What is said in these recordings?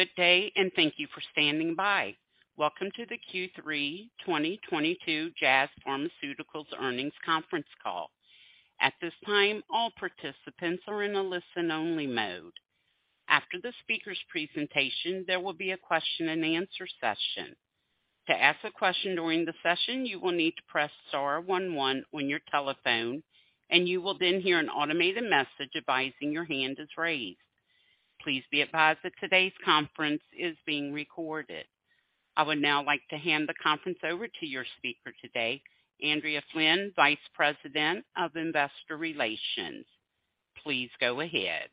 Good day, and thank you for standing by. Welcome to the Q3 2022 Jazz Pharmaceuticals Earnings Conference Call. At this time, all participants are in a listen-only mode. After the speaker's presentation, there will be a question-and-answer session. To ask a question during the session, you will need to press star one one on your telephone, and you will then hear an automated message advising that your hand is raised. Please be advised that today's conference is being recorded. I would now like to hand the conference over to your speaker today, Andrea Flynn, Vice President of Investor Relations. Please go ahead.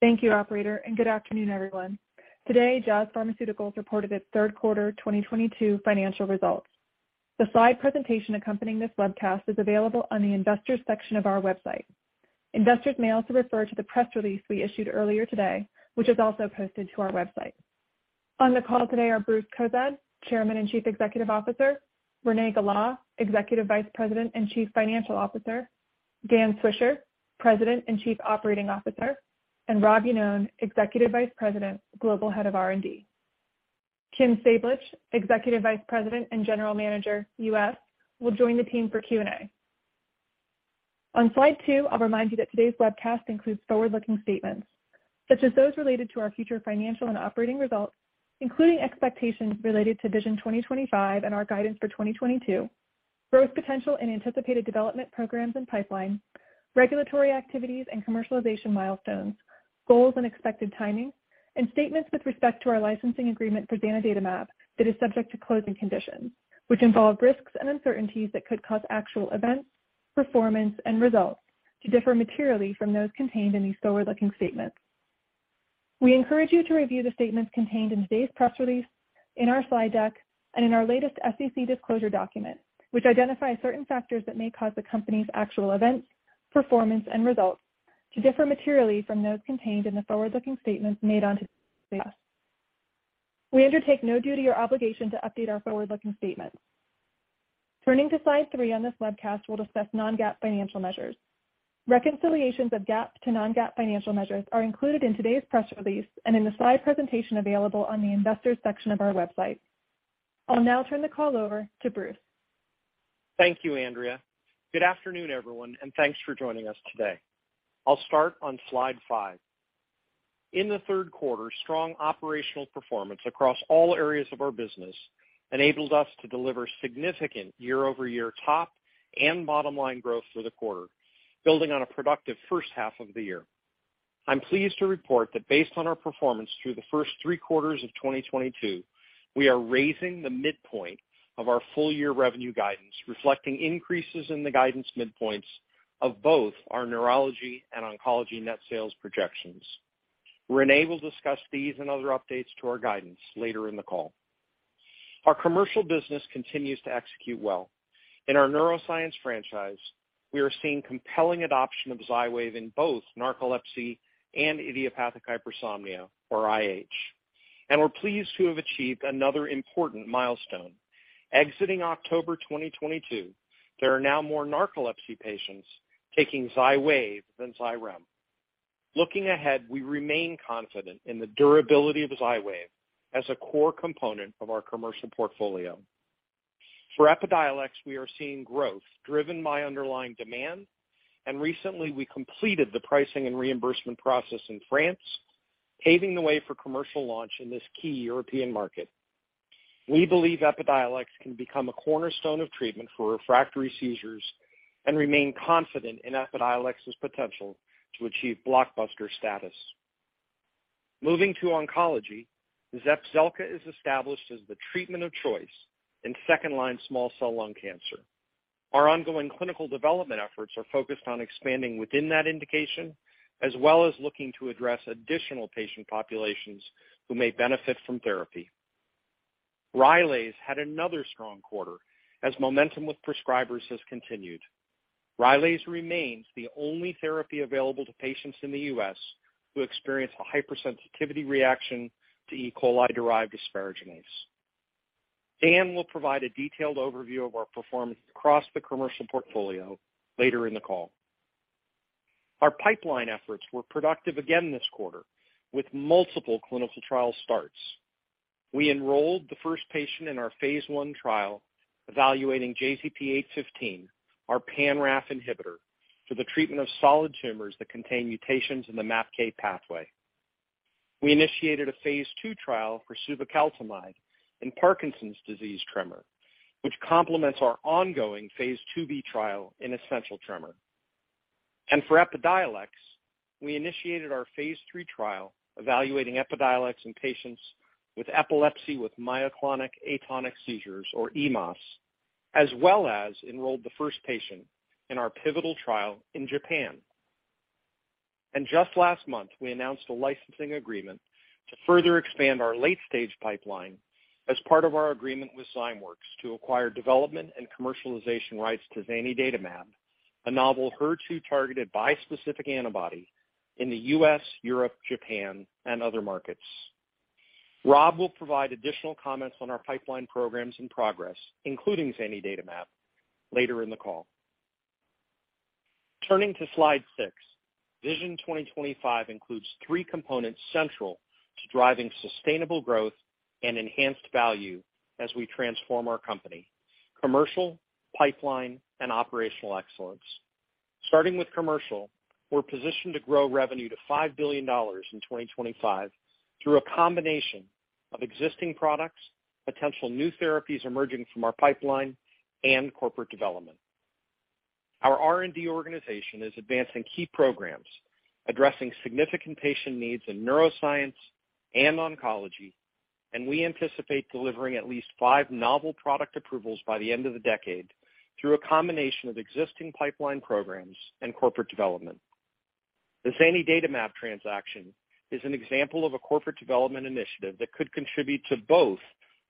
Thank you, Operator, and good afternoon, everyone. Today, Jazz Pharmaceuticals reported its third quarter 2022 financial results. The slide presentation accompanying this webcast is available on the Investors section of our website. Investors may also refer to the press release we issued earlier today, which is also posted to our website. On the call today are Bruce Cozadd, Chairman and Chief Executive Officer. Renee Gala, Executive Vice President and Chief Financial Officer. Dan Swisher, President and Chief Operating Officer. And Rob Iannone, Executive Vice President, Global Head of R&D. Kim Sablich, Executive Vice President and General Manager, U.S., will join the team for Q&A. On Slide two, I'll remind you that today's webcast includes forward-looking statements, such as those related to our future financial and operating results, including expectations related to Vision 2025 and our guidance for 2022, growth potential and anticipated development programs and pipeline, regulatory activities and commercialization milestones, goals and expected timing, and statements with respect to our licensing agreement for zanidatamab that is subject to closing conditions, which involve risks and uncertainties that could cause actual events, performance, and results to differ materially from those contained in these forward-looking statements. We encourage you to review the statements contained in today's press release, in our slide deck, and in our latest SEC disclosure document, which identifies certain factors that may cause the company's actual events, performance, and results to differ materially from those contained in the forward-looking statements made on today's webcast. We undertake no duty or obligation to update our forward-looking statements. Turning to slide three on this webcast, we'll discuss non-GAAP financial measures. Reconciliations of GAAP to non-GAAP financial measures are included in today's press release and in the slide presentation available on the Investors section of our website. I'll now turn the call over to Bruce. Thank you, Andrea. Good afternoon, everyone, and thanks for joining us today. I'll start on slide five. In the third quarter, strong operational performance across all areas of our business enabled us to deliver significant year-over-year top and bottom-line growth for the quarter, building on a productive first half of the year. I'm pleased to report that based on our performance through the first three quarters of 2022, we are raising the midpoint of our full-year revenue guidance, reflecting increases in the guidance midpoints of both our neurology and oncology net sales projections. Renee will discuss these and other updates to our guidance later in the call. Our commercial business continues to execute well. In our neuroscience franchise, we are seeing compelling adoption of Xywav in both narcolepsy and idiopathic hypersomnia, or IH. We're pleased to have achieved another important milestone. Exiting October 2022, there are now more narcolepsy patients taking Xywav than Xyrem. Looking ahead, we remain confident in the durability of Xywav as a core component of our commercial portfolio. For Epidiolex, we are seeing growth driven by underlying demand, and recently we completed the pricing and reimbursement process in France, paving the way for commercial launch in this key European market. We believe Epidiolex can become a cornerstone of treatment for refractory seizures and remain confident in Epidiolex's potential to achieve blockbuster status. Moving to oncology, Zepzelca is established as the treatment of choice in second-line small cell lung cancer. Our ongoing clinical development efforts are focused on expanding within that indication, as well as looking to address additional patient populations who may benefit from therapy. Rylaze had another strong quarter as momentum with prescribers has continued. Rylaze remains the only therapy available to patients in the U.S. who experience a hypersensitivity reaction to E. coli-derived asparaginase. Dan will provide a detailed overview of our performance across the commercial portfolio later in the call. Our pipeline efforts were productive again this quarter with multiple clinical trial starts. We enrolled the first patient in our phase I trial evaluating JZP815, our pan-RAF inhibitor, for the treatment of solid tumors that contain mutations in the MAPK pathway. We initiated a phase II trial for suvecaltamide in Parkinson's disease tremor, which complements our ongoing phase II-B trial in essential tremor. For Epidiolex, we initiated our phase III trial evaluating Epidiolex in patients with epilepsy with myoclonic atonic seizures, or EMAS, as well as enrolled the first patient in our pivotal trial in Japan. Just last month, we announced a licensing agreement to further expand our late-stage pipeline as part of our agreement with Zymeworks to acquire development and commercialization rights to zanidatamab, a novel HER2-targeted bispecific antibody in the U.S., Europe, Japan, and other markets. Rob will provide additional comments on our pipeline programs in progress, including zanidatamab later in the call. Turning to slide six, Vision 2025 includes three components central to driving sustainable growth and enhanced value as we transform our company. Commercial, pipeline, and operational excellence. Starting with commercial, we're positioned to grow revenue to $5 billion in 2025 through a combination of existing products, potential new therapies emerging from our pipeline, and corporate development. Our R&D organization is advancing key programs addressing significant patient needs in neuroscience and oncology, and we anticipate delivering at least five novel product approvals by the end of the decade through a combination of existing pipeline programs and corporate development. The zanidatamab transaction is an example of a corporate development initiative that could contribute to both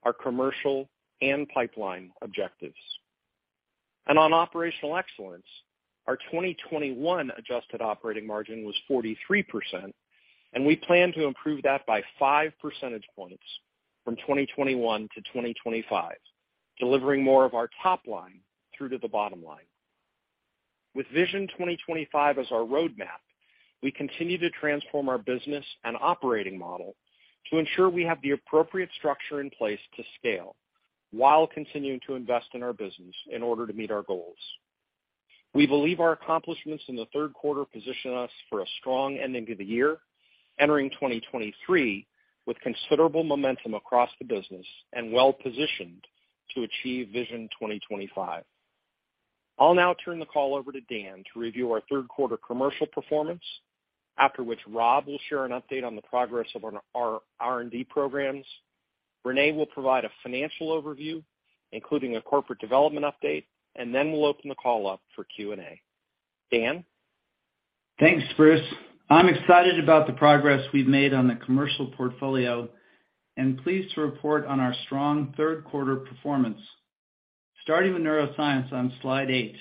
our commercial and pipeline objectives. On operational excellence, our 2021 adjusted operating margin was 43%, and we plan to improve that by 5 percentage points from 2021 to 2025, delivering more of our top line through to the bottom line. With Vision 2025 as our roadmap, we continue to transform our business and operating model to ensure we have the appropriate structure in place to scale while continuing to invest in our business in order to meet our goals. We believe our accomplishments in the third quarter position us for a strong ending to the year, entering 2023 with considerable momentum across the business and well-positioned to achieve Vision 2025. I'll now turn the call over to Dan to review our third quarter commercial performance, after which Rob will share an update on the progress of our R&D programs. Renee will provide a financial overview, including a corporate development update, and then we'll open the call up for Q&A. Dan? Thanks, Bruce. I'm excited about the progress we've made on the commercial portfolio and pleased to report on our strong third quarter performance. Starting with neuroscience on slide 8,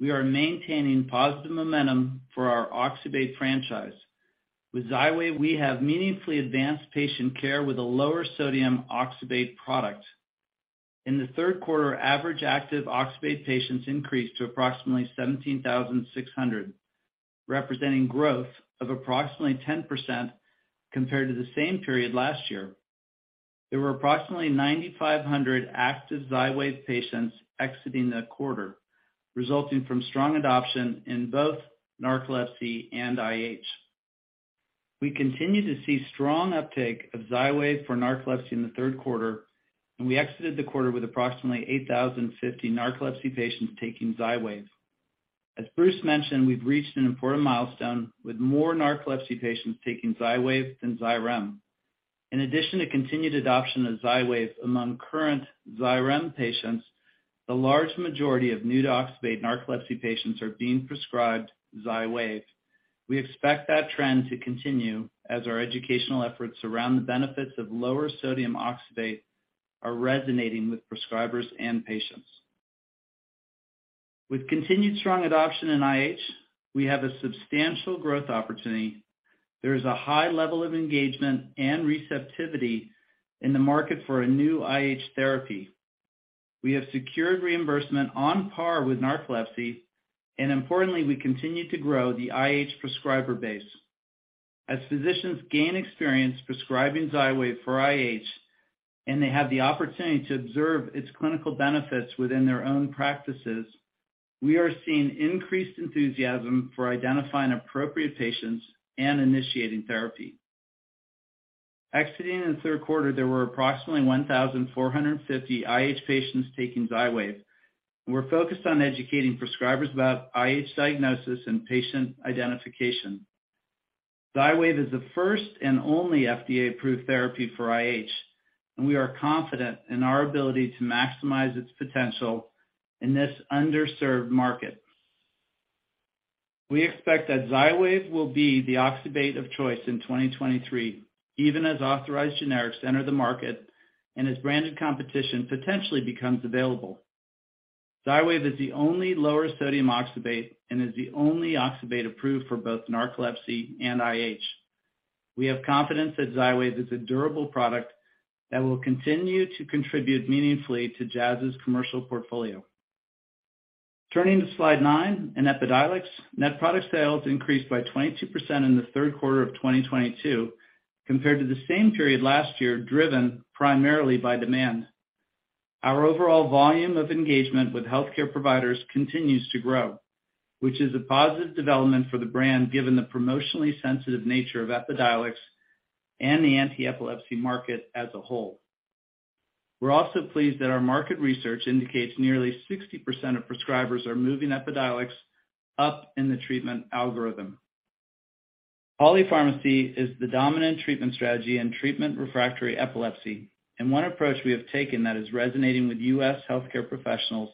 we are maintaining positive momentum for our oxybate franchise. With Xywav, we have meaningfully advanced patient care with a lower sodium oxybate product. In the third quarter, average active oxybate patients increased to approximately 17,600, representing growth of approximately 10% compared to the same period last year. There were approximately 9,500 active Xywav patients exiting the quarter, resulting from strong adoption in both narcolepsy and IH. We continue to see strong uptake of Xywav for narcolepsy in the third quarter, and we exited the quarter with approximately 8,050 narcolepsy patients taking Xywav. As Bruce mentioned, we've reached an important milestone with more narcolepsy patients taking Xywav than Xyrem. In addition to continued adoption of Xywav among current Xyrem patients, the large majority of new oxybate narcolepsy patients are being prescribed Xywav. We expect that trend to continue as our educational efforts around the benefits of lower sodium oxybate are resonating with prescribers and patients. With continued strong adoption in IH, we have a substantial growth opportunity. There is a high level of engagement and receptivity in the market for a new IH therapy. We have secured reimbursement on par with narcolepsy, and importantly, we continue to grow the IH prescriber base. As physicians gain experience prescribing Xywav for IH, and they have the opportunity to observe its clinical benefits within their own practices, we are seeing increased enthusiasm for identifying appropriate patients and initiating therapy. Exiting in the third quarter, there were approximately 1,450 IH patients taking Xywav. We're focused on educating prescribers about IH diagnosis and patient identification. Xywav is the first and only FDA-approved therapy for IH, and we are confident in our ability to maximize its potential in this underserved market. We expect that Xywav will be the oxybate of choice in 2023, even as authorized generics enter the market and as branded competition potentially becomes available. Xywav is the only lower sodium oxybate and is the only oxybate approved for both narcolepsy and IH. We have confidence that Xywav is a durable product that will continue to contribute meaningfully to Jazz's commercial portfolio. Turning to slide nine, in Epidiolex, net product sales increased by 22% in the third quarter of 2022 compared to the same period last year, driven primarily by demand. Our overall volume of engagement with healthcare providers continues to grow, which is a positive development for the brand, given the promotionally sensitive nature of Epidiolex and the anti-epilepsy market as a whole. We're also pleased that our market research indicates nearly 60% of prescribers are moving Epidiolex up in the treatment algorithm. Polypharmacy is the dominant treatment strategy in treatment-refractory epilepsy. One approach we have taken that is resonating with U.S. healthcare professionals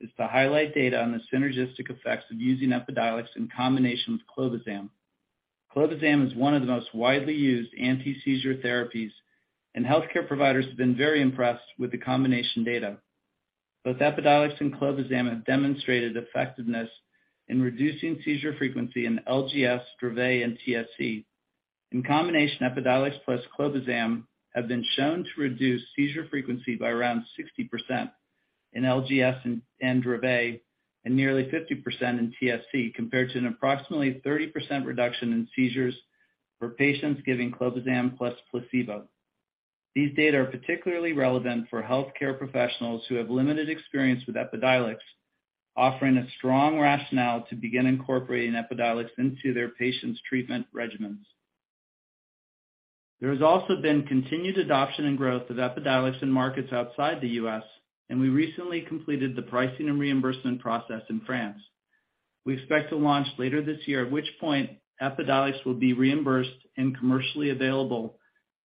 is to highlight data on the synergistic effects of using Epidiolex in combination with clobazam. Clobazam is one of the most widely used anti-seizure therapies, and healthcare providers have been very impressed with the combination data. Both Epidiolex and clobazam have demonstrated effectiveness in reducing seizure frequency in LGS, Dravet, and TSC. In combination, Epidiolex plus clobazam have been shown to reduce seizure frequency by around 60% in LGS and Dravet, and nearly 50% in TSC, compared to an approximately 30% reduction in seizures for patients given clobazam plus placebo. These data are particularly relevant for healthcare professionals who have limited experience with Epidiolex, offering a strong rationale to begin incorporating Epidiolex into their patients' treatment regimens. There has also been continued adoption and growth of Epidiolex in markets outside the U.S., and we recently completed the pricing and reimbursement process in France. We expect to launch later this year, at which point Epidiolex will be reimbursed and commercially available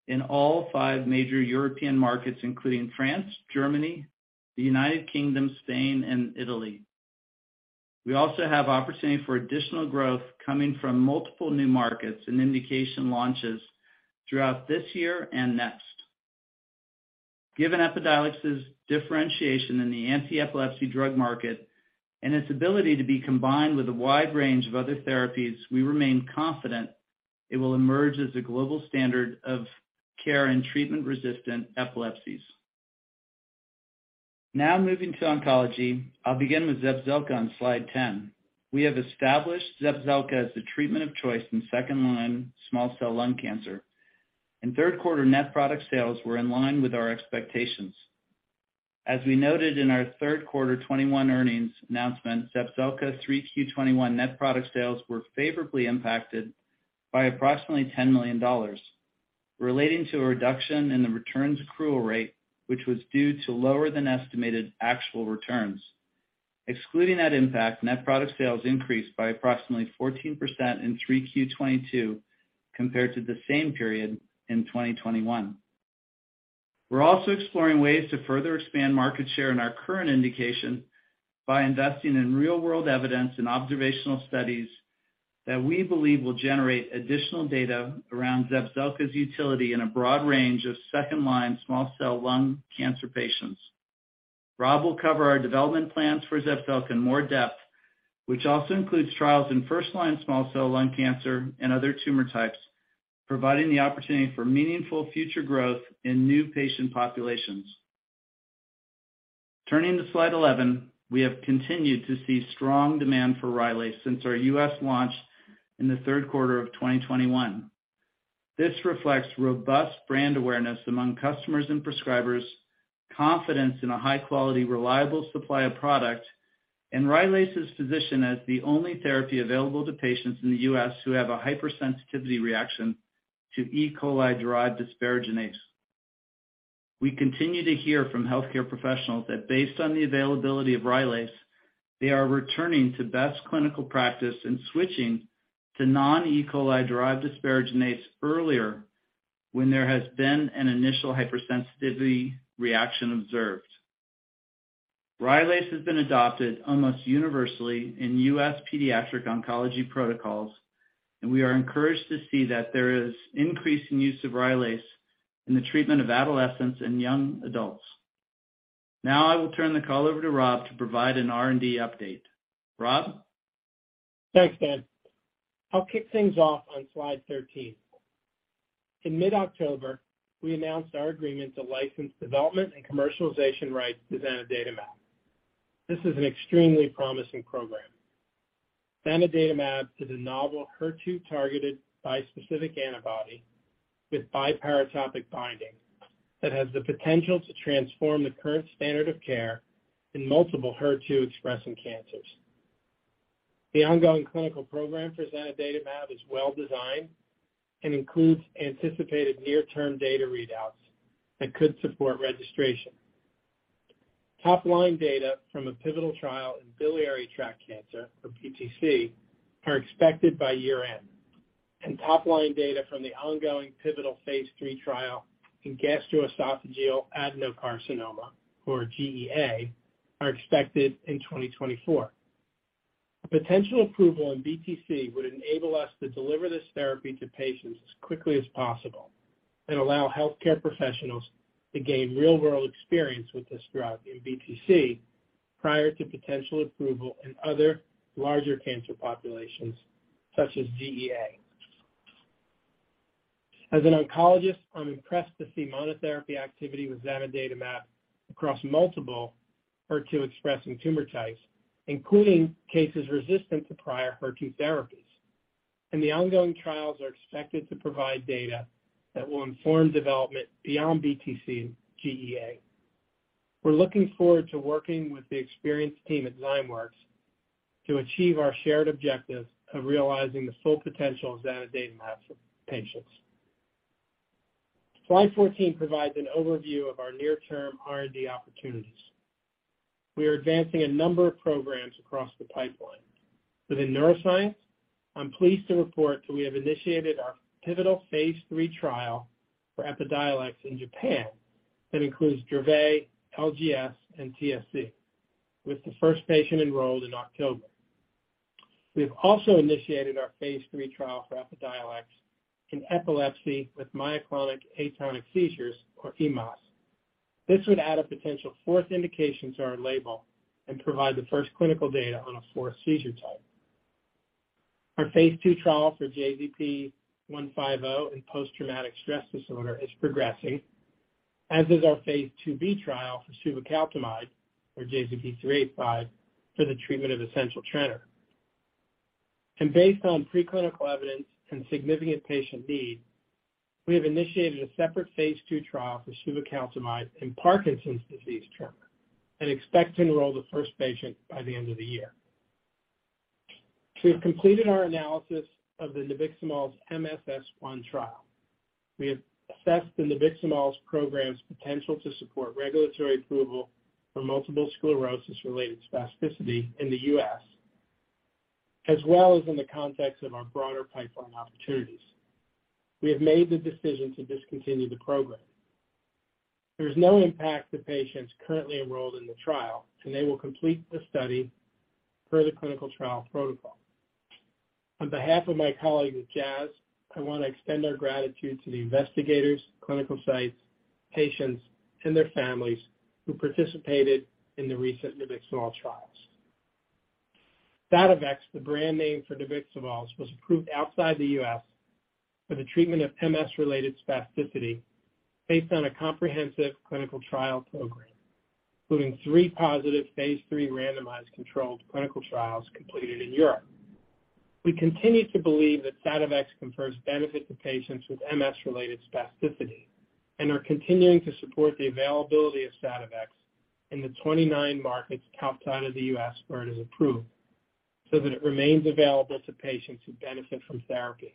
in all five major European markets, including France, Germany, the United Kingdom, Spain, and Italy. We also have opportunity for additional growth coming from multiple new markets and indication launches throughout this year and next. Given Epidiolex's differentiation in the anti-epilepsy drug market and its ability to be combined with a wide range of other therapies, we remain confident it will emerge as a global standard of care in treatment-resistant epilepsies. Now moving to oncology. I'll begin with Zepzelca on slide 10. We have established Zepzelca as the treatment of choice in second-line small cell lung cancer. In third quarter, net product sales were in line with our expectations. As we noted in our third quarter 2021 earnings announcement, Zepzelca 3Q 2021 net product sales were favorably impacted by approximately $10 million, relating to a reduction in the returns accrual rate, which was due to lower than estimated actual returns. Excluding that impact, net product sales increased by approximately 14% in 3Q 2022 compared to the same period in 2021. We're also exploring ways to further expand market share in our current indication by investing in real-world evidence and observational studies that we believe will generate additional data around Zepzelca's utility in a broad range of second-line small cell lung cancer patients. Rob will cover our development plans for Zepzelca in more depth, which also includes trials in first-line small cell lung cancer and other tumor types, providing the opportunity for meaningful future growth in new patient populations. Turning to slide 11, we have continued to see strong demand for Rylaze since our U.S. launch in the third quarter of 2021. This reflects robust brand awareness among customers and prescribers, confidence in a high-quality, reliable supply of product, and Rylaze's position as the only therapy available to patients in the US who have a hypersensitivity reaction to E. coli-derived asparaginase. We continue to hear from healthcare professionals that based on the availability of Rylaze, they are returning to best clinical practice and switching to non-E. coli-derived asparaginase earlier when there has been an initial hypersensitivity reaction observed. Rylaze has been adopted almost universally in U.S. pediatric oncology protocols, and we are encouraged to see that there is increasing use of Rylaze in the treatment of adolescents and young adults. Now I will turn the call over to Rob to provide an R&D update. Rob? Thanks, Dan. I'll kick things off on slide 13. In mid-October, we announced our agreement to license development and commercialization rights to zanidatamab. This is an extremely promising program. Zanidatamab is a novel HER2-targeted bispecific antibody with biparatopic binding that has the potential to transform the current standard of care in multiple HER2-expressing cancers. The ongoing clinical program for zanidatamab is well-designed and includes anticipated near-term data readouts that could support registration. Top-line data from a pivotal trial in biliary tract cancer, or BTC, are expected by year-end, and top-line data from the ongoing pivotal phase III trial in gastroesophageal adenocarcinoma, or GEA, are expected in 2024. A potential approval in BTC would enable us to deliver this therapy to patients as quickly as possible and allow healthcare professionals to gain real-world experience with this drug in BTC prior to potential approval in other larger cancer populations such as GEA. As an oncologist, I'm impressed to see monotherapy activity with zanidatamab across multiple HER2-expressing tumor types, including cases resistant to prior HER2 therapies. The ongoing trials are expected to provide data that will inform development beyond BTC and GEA. We're looking forward to working with the experienced team at Zymeworks to achieve our shared objective of realizing the full potential of zanidatamab for patients. Slide 14 provides an overview of our near-term R&D opportunities. We are advancing a number of programs across the pipeline. Within neuroscience, I'm pleased to report that we have initiated our pivotal phase III trial for Epidiolex in Japan that includes Dravet, LGS, and TSC, with the first patient enrolled in October. We have also initiated our phase III trial for Epidiolex in epilepsy with myoclonic-atonic seizures or EMAS. This would add a potential fourth indication to our label and provide the first clinical data on a fourth seizure type. Our phase II trial for JZP150 in post-traumatic stress disorder is progressing, as is our phase II-B trial for suvecaltamide or JZP385 for the treatment of essential tremor. Based on preclinical evidence and significant patient need, we have initiated a separate phase II trial for suvecaltamide in Parkinson's disease tremor and expect to enroll the first patient by the end of the year. We have completed our analysis of the nabiximols MSS1 trial. We have assessed the nabiximols program's potential to support regulatory approval for multiple sclerosis-related spasticity in the US, as well as in the context of our broader pipeline opportunities. We have made the decision to discontinue the program. There is no impact to patients currently enrolled in the trial, and they will complete the study per the clinical trial protocol. On behalf of my colleagues at Jazz, I want to extend our gratitude to the investigators, clinical sites, patients, and their families who participated in the recent nabiximols trials. Sativex, the brand name for nabiximols, was approved outside the U.S. for the treatment of MS-related spasticity based on a comprehensive clinical trial program, including three positive phase III randomized controlled clinical trials completed in Europe. We continue to believe that Sativex confers benefit to patients with MS-related spasticity and are continuing to support the availability of Sativex in the 29 markets outside of the U.S. where it is approved so that it remains available to patients who benefit from therapy.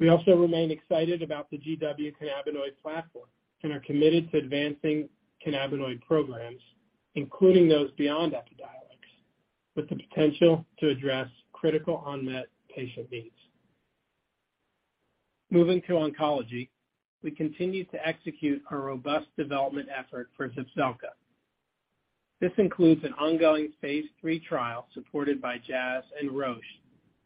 We also remain excited about the GW cannabinoid platform and are committed to advancing cannabinoid programs, including those beyond Epidiolex, with the potential to address critical unmet patient needs. Moving to oncology, we continue to execute our robust development effort for Zepzelca. This includes an ongoing phase III trial supported by Jazz and Roche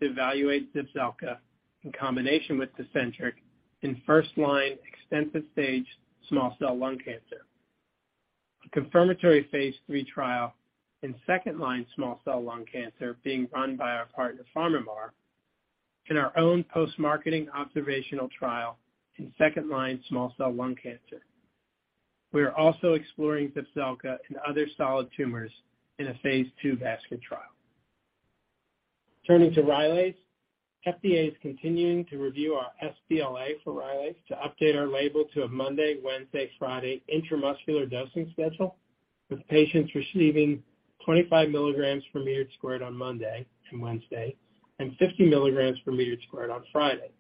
to evaluate Zepzelca in combination with Tecentriq in first-line extensive-stage small cell lung cancer. A confirmatory phase III trial in second-line small cell lung cancer being run by our partner PharmaMar and our own post-marketing observational trial in second-line small cell lung cancer. We are also exploring Zepzelca in other solid tumors in a phase II basket trial. Turning to Rylaze, FDA is continuing to review our sBLA for Rylaze to update our label to a Monday, Wednesday, Friday intramuscular dosing schedule, with patients receiving 25 milligrams per meter squared on Monday to Wednesday and 50 milligrams per meter squared on Friday.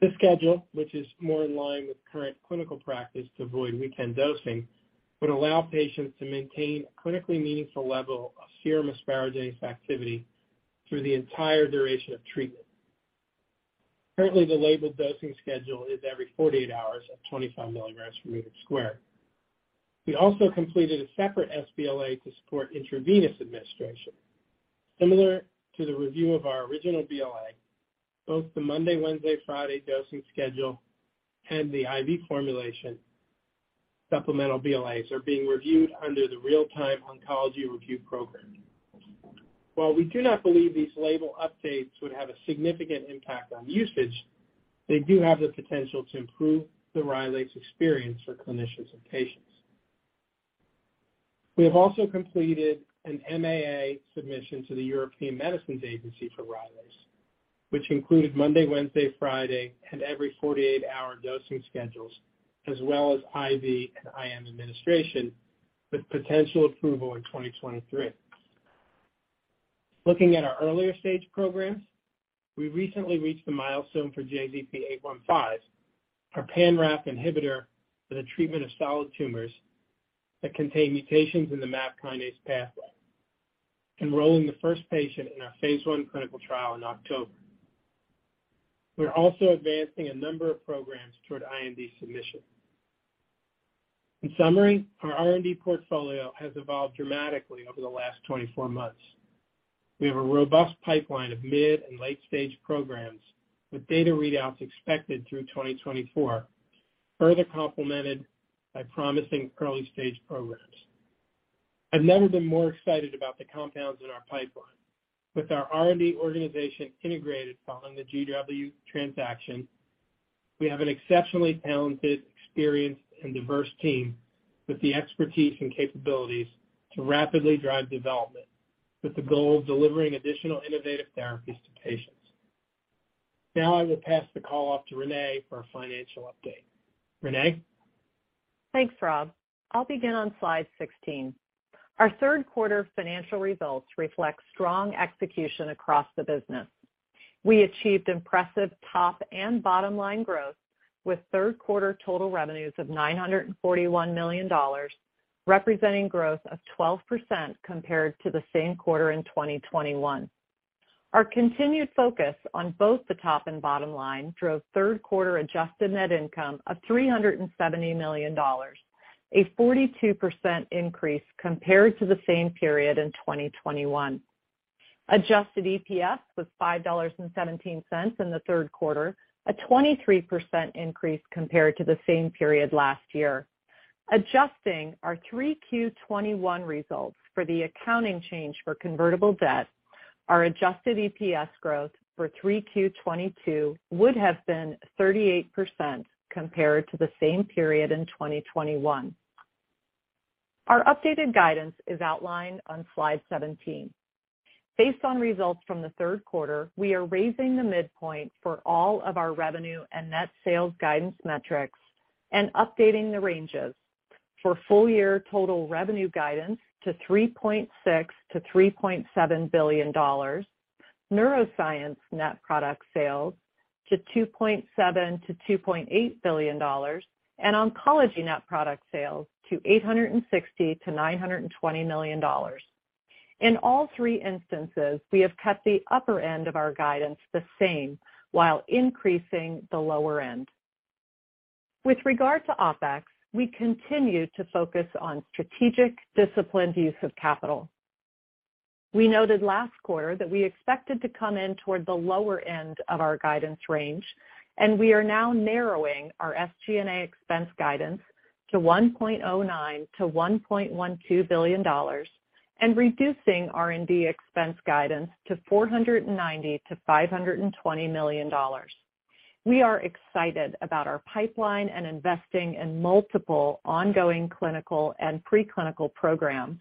This schedule, which is more in line with current clinical practice to avoid weekend dosing, would allow patients to maintain a clinically meaningful level of serum asparaginase activity through the entire duration of treatment. Currently, the labeled dosing schedule is every 48 hours at 25 milligrams per meter squared. We also completed a separate sBLA to support intravenous administration. Similar to the review of our original BLA, both the Monday, Wednesday, Friday dosing schedule and the IV formulation supplemental BLAs are being reviewed under the Real-Time Oncology Review program. While we do not believe these label updates would have a significant impact on usage, they do have the potential to improve the Rylaze experience for clinicians and patients. We have also completed an MAA submission to the European Medicines Agency for Rylaze, which included Monday, Wednesday, Friday and every 48-hour dosing schedules as well as IV and IM administration with potential approval in 2023. Looking at our earlier stage programs, we recently reached the milestone for JZP815, our pan-RAF inhibitor for the treatment of solid tumors that contain mutations in the MAP kinase pathway, enrolling the first patient in our phase I clinical trial in October. We are also advancing a number of programs toward IND submission. In summary, our R&D portfolio has evolved dramatically over the last 24 months. We have a robust pipeline of mid and late-stage programs with data readouts expected through 2024, further complemented by promising early-stage programs. I've never been more excited about the compounds in our pipeline. With our R&D organization integrated following the GW transaction, we have an exceptionally talented, experienced, and diverse team with the expertise and capabilities to rapidly drive development with the goal of delivering additional innovative therapies to patients. Now I will pass the call off to Renee for a financial update. Renee? Thanks, Rob. I'll begin on slide 16. Our third quarter financial results reflect strong execution across the business. We achieved impressive top and bottom line growth with third quarter total revenues of $941 million, representing growth of 12% compared to the same quarter in 2021. Our continued focus on both the top and bottom line drove third quarter adjusted net income of $370 million, a 42% increase compared to the same period in 2021. Adjusted EPS was $5.17 in the third quarter, a 23% increase compared to the same period last year. Adjusting our 3Q 2021 results for the accounting change for convertible debt, our adjusted EPS growth for 3Q 2022 would have been 38% compared to the same period in 2021. Our updated guidance is outlined on slide 17. Based on results from the third quarter, we are raising the midpoint for all of our revenue and net sales guidance metrics and updating the ranges for full year total revenue guidance to $3.6 billion-$3.7 billion, neuroscience net product sales to $2.7 billion-$2.8 billion, and oncology net product sales to $860 million-$920 million. In all three instances, we have kept the upper end of our guidance the same while increasing the lower end. With regard to OpEx, we continue to focus on strategic, disciplined use of capital. We noted last quarter that we expected to come in toward the lower end of our guidance range, and we are now narrowing our SG&A expense guidance to $1.09 billion-$1.12 billion and reducing R&D expense guidance to $490 million-$520 million. We are excited about our pipeline and investing in multiple ongoing clinical and preclinical programs,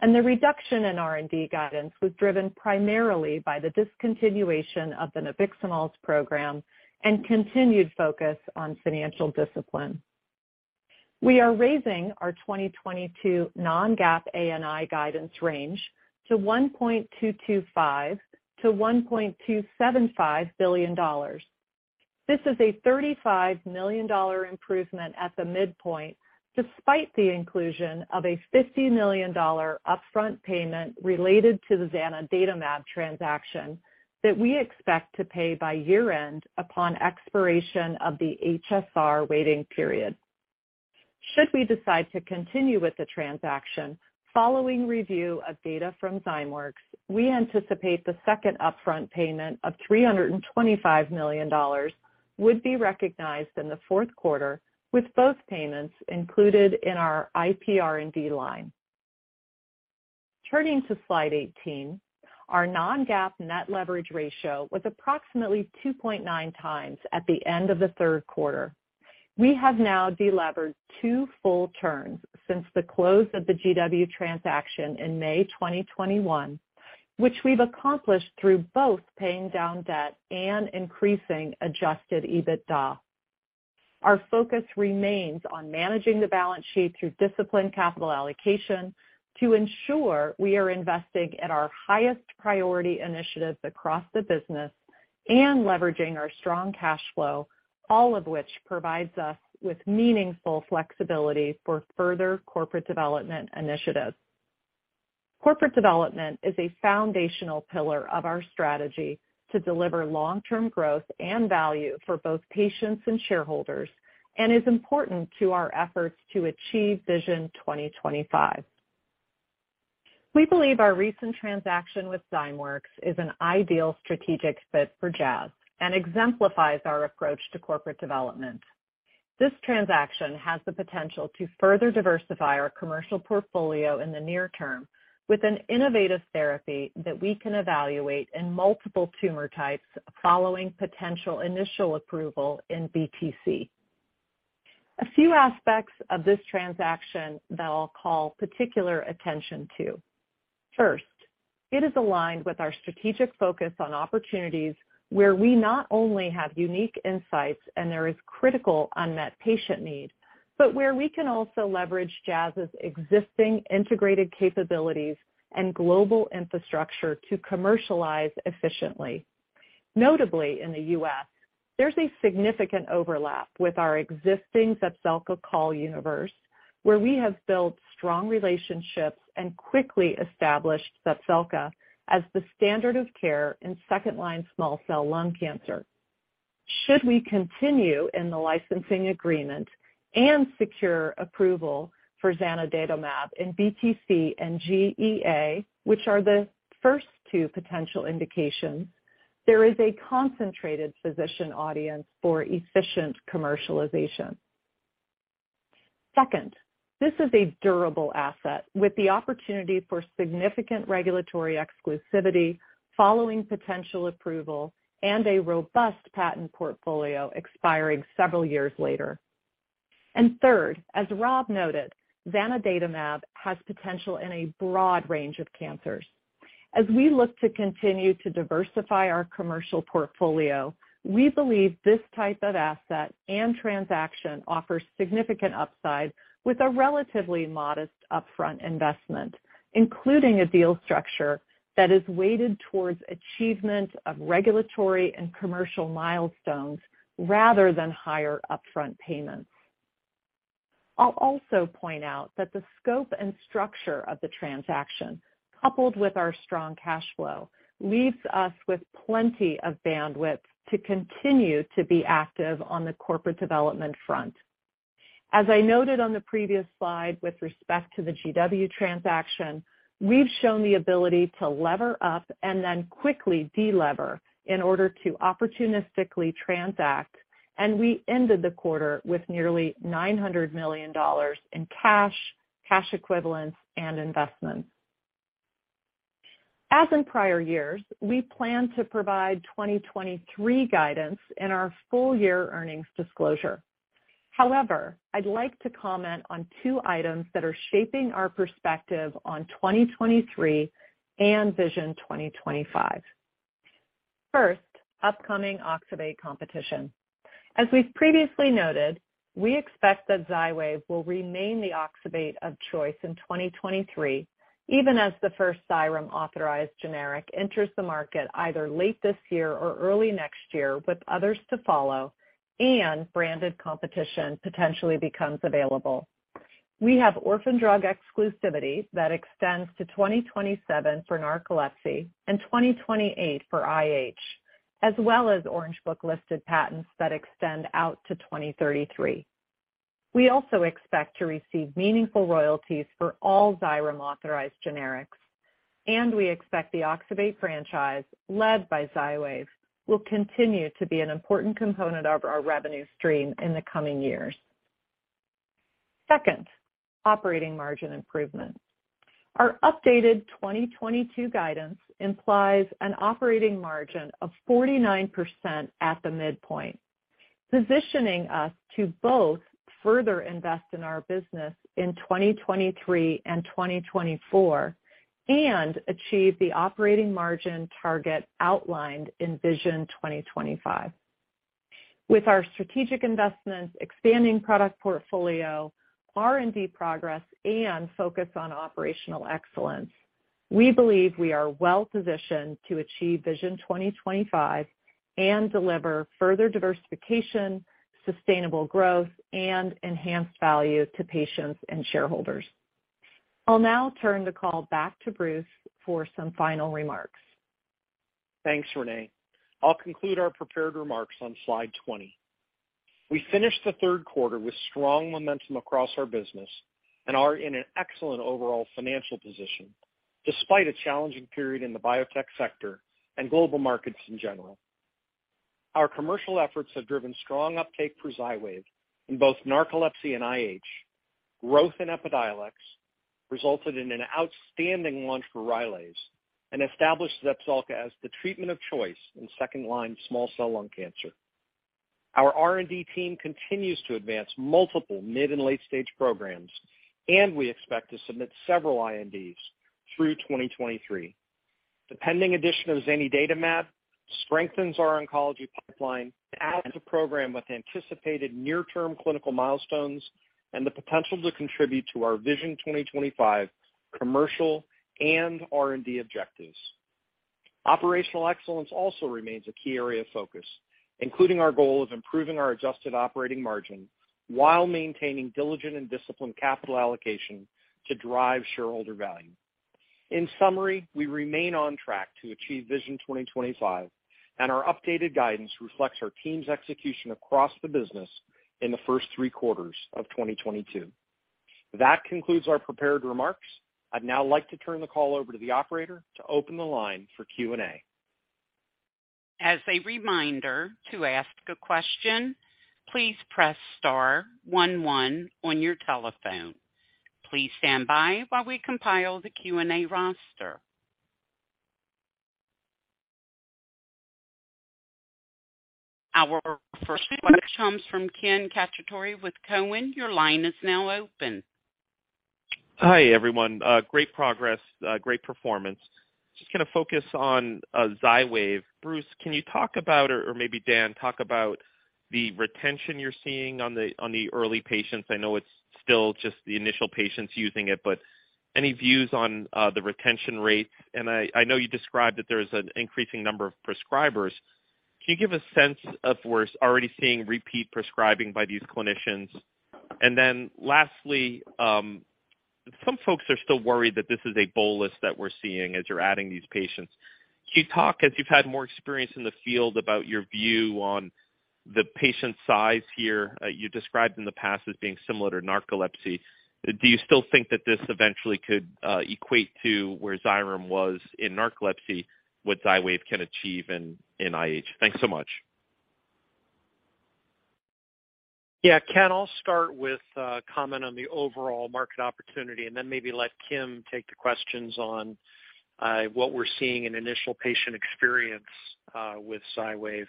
and the reduction in R&D guidance was driven primarily by the discontinuation of the nabiximols program and continued focus on financial discipline. We are raising our 2022 non-GAAP ANI guidance range to $1.225 billion-$1.275 billion. This is a $35 million improvement at the midpoint, despite the inclusion of a $50 million upfront payment related to the zanidatamab transaction that we expect to pay by year-end upon expiration of the HSR waiting period. Should we decide to continue with the transaction following review of data from Zymeworks, we anticipate the second upfront payment of $325 million would be recognized in the fourth quarter, with both payments included in our IP R&D line. Turning to slide 18, our non-GAAP net leverage ratio was approximately 2.9x at the end of the third quarter. We have now delevered two full turns since the close of the GW transaction in May 2021, which we've accomplished through both paying down debt and increasing adjusted EBITDA. Our focus remains on managing the balance sheet through disciplined capital allocation to ensure we are investing at our highest priority initiatives across the business and leveraging our strong cash flow, all of which provides us with meaningful flexibility for further corporate development initiatives. Corporate development is a foundational pillar of our strategy to deliver long-term growth and value for both patients and shareholders and is important to our efforts to achieve Vision 2025. We believe our recent transaction with Zymeworks is an ideal strategic fit for Jazz and exemplifies our approach to corporate development. This transaction has the potential to further diversify our commercial portfolio in the near term with an innovative therapy that we can evaluate in multiple tumor types following potential initial approval in BTC. A few aspects of this transaction that I'll call particular attention to. First, it is aligned with our strategic focus on opportunities where we not only have unique insights and there is critical unmet patient need, but where we can also leverage Jazz's existing integrated capabilities and global infrastructure to commercialize efficiently. Notably in the U.S., there's a significant overlap with our existing Zepzelca call universe, where we have built strong relationships and quickly established Zepzelca as the standard of care in second line small cell lung cancer. Should we continue in the licensing agreement and secure approval for zanidatamab in BTC and GEA, which are the first two potential indications, there is a concentrated physician audience for efficient commercialization. Second, this is a durable asset with the opportunity for significant regulatory exclusivity following potential approval and a robust patent portfolio expiring several years later. Third, as Rob noted, zanidatamab has potential in a broad range of cancers. As we look to continue to diversify our commercial portfolio, we believe this type of asset and transaction offers significant upside with a relatively modest upfront investment, including a deal structure that is weighted towards achievement of regulatory and commercial milestones rather than higher upfront payments. I'll also point out that the scope and structure of the transaction, coupled with our strong cash flow, leaves us with plenty of bandwidth to continue to be active on the corporate development front. As I noted on the previous slide with respect to the GW transaction, we've shown the ability to lever up and then quickly delever in order to opportunistically transact, and we ended the quarter with nearly $900 million in cash equivalents and investments. As in prior years, we plan to provide 2023 guidance in our full year earnings disclosure. However, I'd like to comment on two items that are shaping our perspective on 2023 and Vision 2025. First, upcoming oxybate competition. As we've previously noted, we expect that Xywav will remain the oxybate of choice in 2023, even as the first Xyrem-authorized generic enters the market either late this year or early next year, with others to follow, and branded competition potentially becomes available. We have orphan drug exclusivity that extends to 2027 for narcolepsy and 2028 for IH, as well as Orange Book listed patents that extend out to 2033. We also expect to receive meaningful royalties for all Xyrem-authorized generics, and we expect the oxybate franchise, led by Xywav, will continue to be an important component of our revenue stream in the coming years. Second, operating margin improvement. Our updated 2022 guidance implies an operating margin of 49% at the midpoint, positioning us to both further invest in our business in 2023 and 2024 and achieve the operating margin target outlined in Vision 2025. With our strategic investments, expanding product portfolio, R&D progress and focus on operational excellence, we believe we are well-positioned to achieve Vision 2025 and deliver further diversification, sustainable growth and enhanced value to patients and shareholders. I'll now turn the call back to Bruce for some final remarks. Thanks, Renee. I'll conclude our prepared remarks on slide 20. We finished the third quarter with strong momentum across our business and are in an excellent overall financial position, despite a challenging period in the biotech sector and global markets in general. Our commercial efforts have driven strong uptake for Xywav in both narcolepsy and IH. Growth in Epidiolex resulted in an outstanding launch for Rylaze and established Zepzelca as the treatment of choice in second line small cell lung cancer. Our R&D team continues to advance multiple mid and late stage programs, and we expect to submit several INDs through 2023. The pending addition of zanidatamab strengthens our oncology pipeline and adds a program with anticipated near-term clinical milestones and the potential to contribute to our Vision 2025 commercial and R&D objectives. Operational excellence also remains a key area of focus, including our goal of improving our adjusted operating margin while maintaining diligent and disciplined capital allocation to drive shareholder value. In summary, we remain on track to achieve Vision 2025, and our updated guidance reflects our team's execution across the business in the first three quarters of 2022. That concludes our prepared remarks. I'd now like to turn the call over to the operator to open the line for Q&A. As a reminder, to ask a question, please press star one one on your telephone. Please stand by while we compile the Q&A roster. Our first comes from Ken Cacciatore with Cowen. Your line is now open. Hi, everyone. Great progress, great performance. Just gonna focus on Xywav. Bruce, can you talk about or maybe Dan, talk about the retention you're seeing on the early patients? I know it's still just the initial patients using it, but any views on the retention rates? I know you described that there's an increasing number of prescribers. Can you give a sense of where it's already seeing repeat prescribing by these clinicians? Lastly, some folks are still worried that this is a bolus that we're seeing as you're adding these patients. Can you talk, as you've had more experience in the field, about your view on the patient size here, you described in the past as being similar to narcolepsy. Do you still think that this eventually could equate to where Xyrem was in narcolepsy, what Xywav can achieve in IH? Thanks so much. Yeah, Ken, I'll start with a comment on the overall market opportunity and then maybe let Kim take the questions on what we're seeing in initial patient experience with Xywav.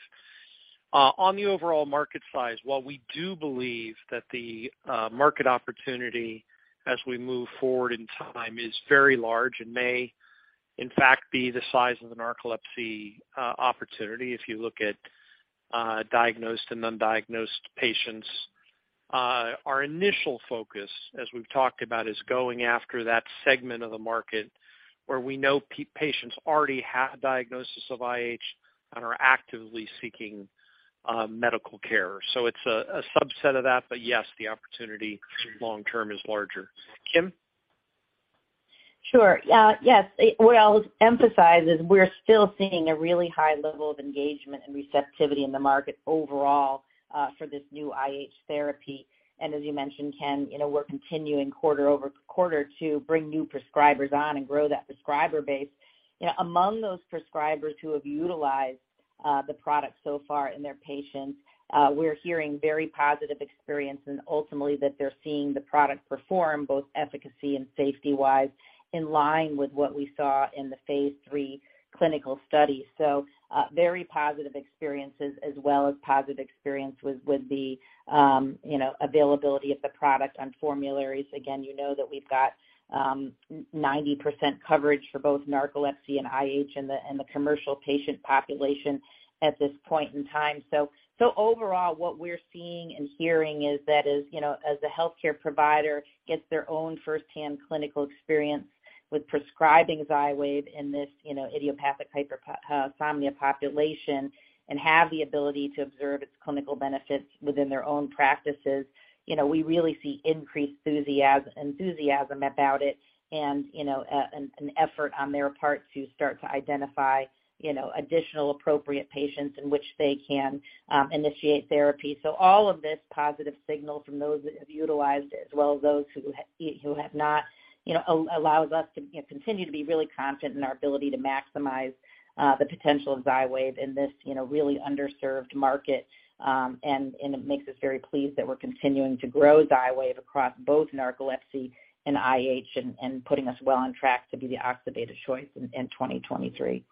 On the overall market size, while we do believe that the market opportunity as we move forward in time is very large and may in fact be the size of the narcolepsy opportunity if you look at diagnosed and undiagnosed patients. Our initial focus, as we've talked about, is going after that segment of the market where we know patients already have a diagnosis of IH and are actively seeking medical care. It's a subset of that, but yes, the opportunity long term is larger. Kim? Sure. Yeah. Yes. What I'll emphasize is we're still seeing a really high level of engagement and receptivity in the market overall for this new IH therapy. As you mentioned, Ken, you know, we're continuing quarter-over-quarter to bring new prescribers on and grow that prescriber base. Among those prescribers who have utilized the product so far in their patients, we're hearing very positive experience and ultimately that they're seeing the product perform both efficacy and safety-wise in line with what we saw in the phase III clinical study. Very positive experiences as well as positive experience with the you know, availability of the product on formularies. Again, you know that we've got 90% coverage for both narcolepsy and IH in the commercial patient population at this point in time. Overall, what we're seeing and hearing is that as, you know, as the healthcare provider gets their own first-hand clinical experience with prescribing Xywav in this, you know, idiopathic hypersomnia population and have the ability to observe its clinical benefits within their own practices, you know, we really see increased enthusiasm about it and, you know, an effort on their part to start to identify, you know, additional appropriate patients in which they can initiate therapy. All of this positive signal from those that have utilized as well as those who have not, you know, allows us to continue to be really confident in our ability to maximize the potential of Xywav in this, you know, really underserved market. It makes us very pleased that we're continuing to grow Xywav across both narcolepsy and IH and putting us well on track to be the oxybate of choice in 2023.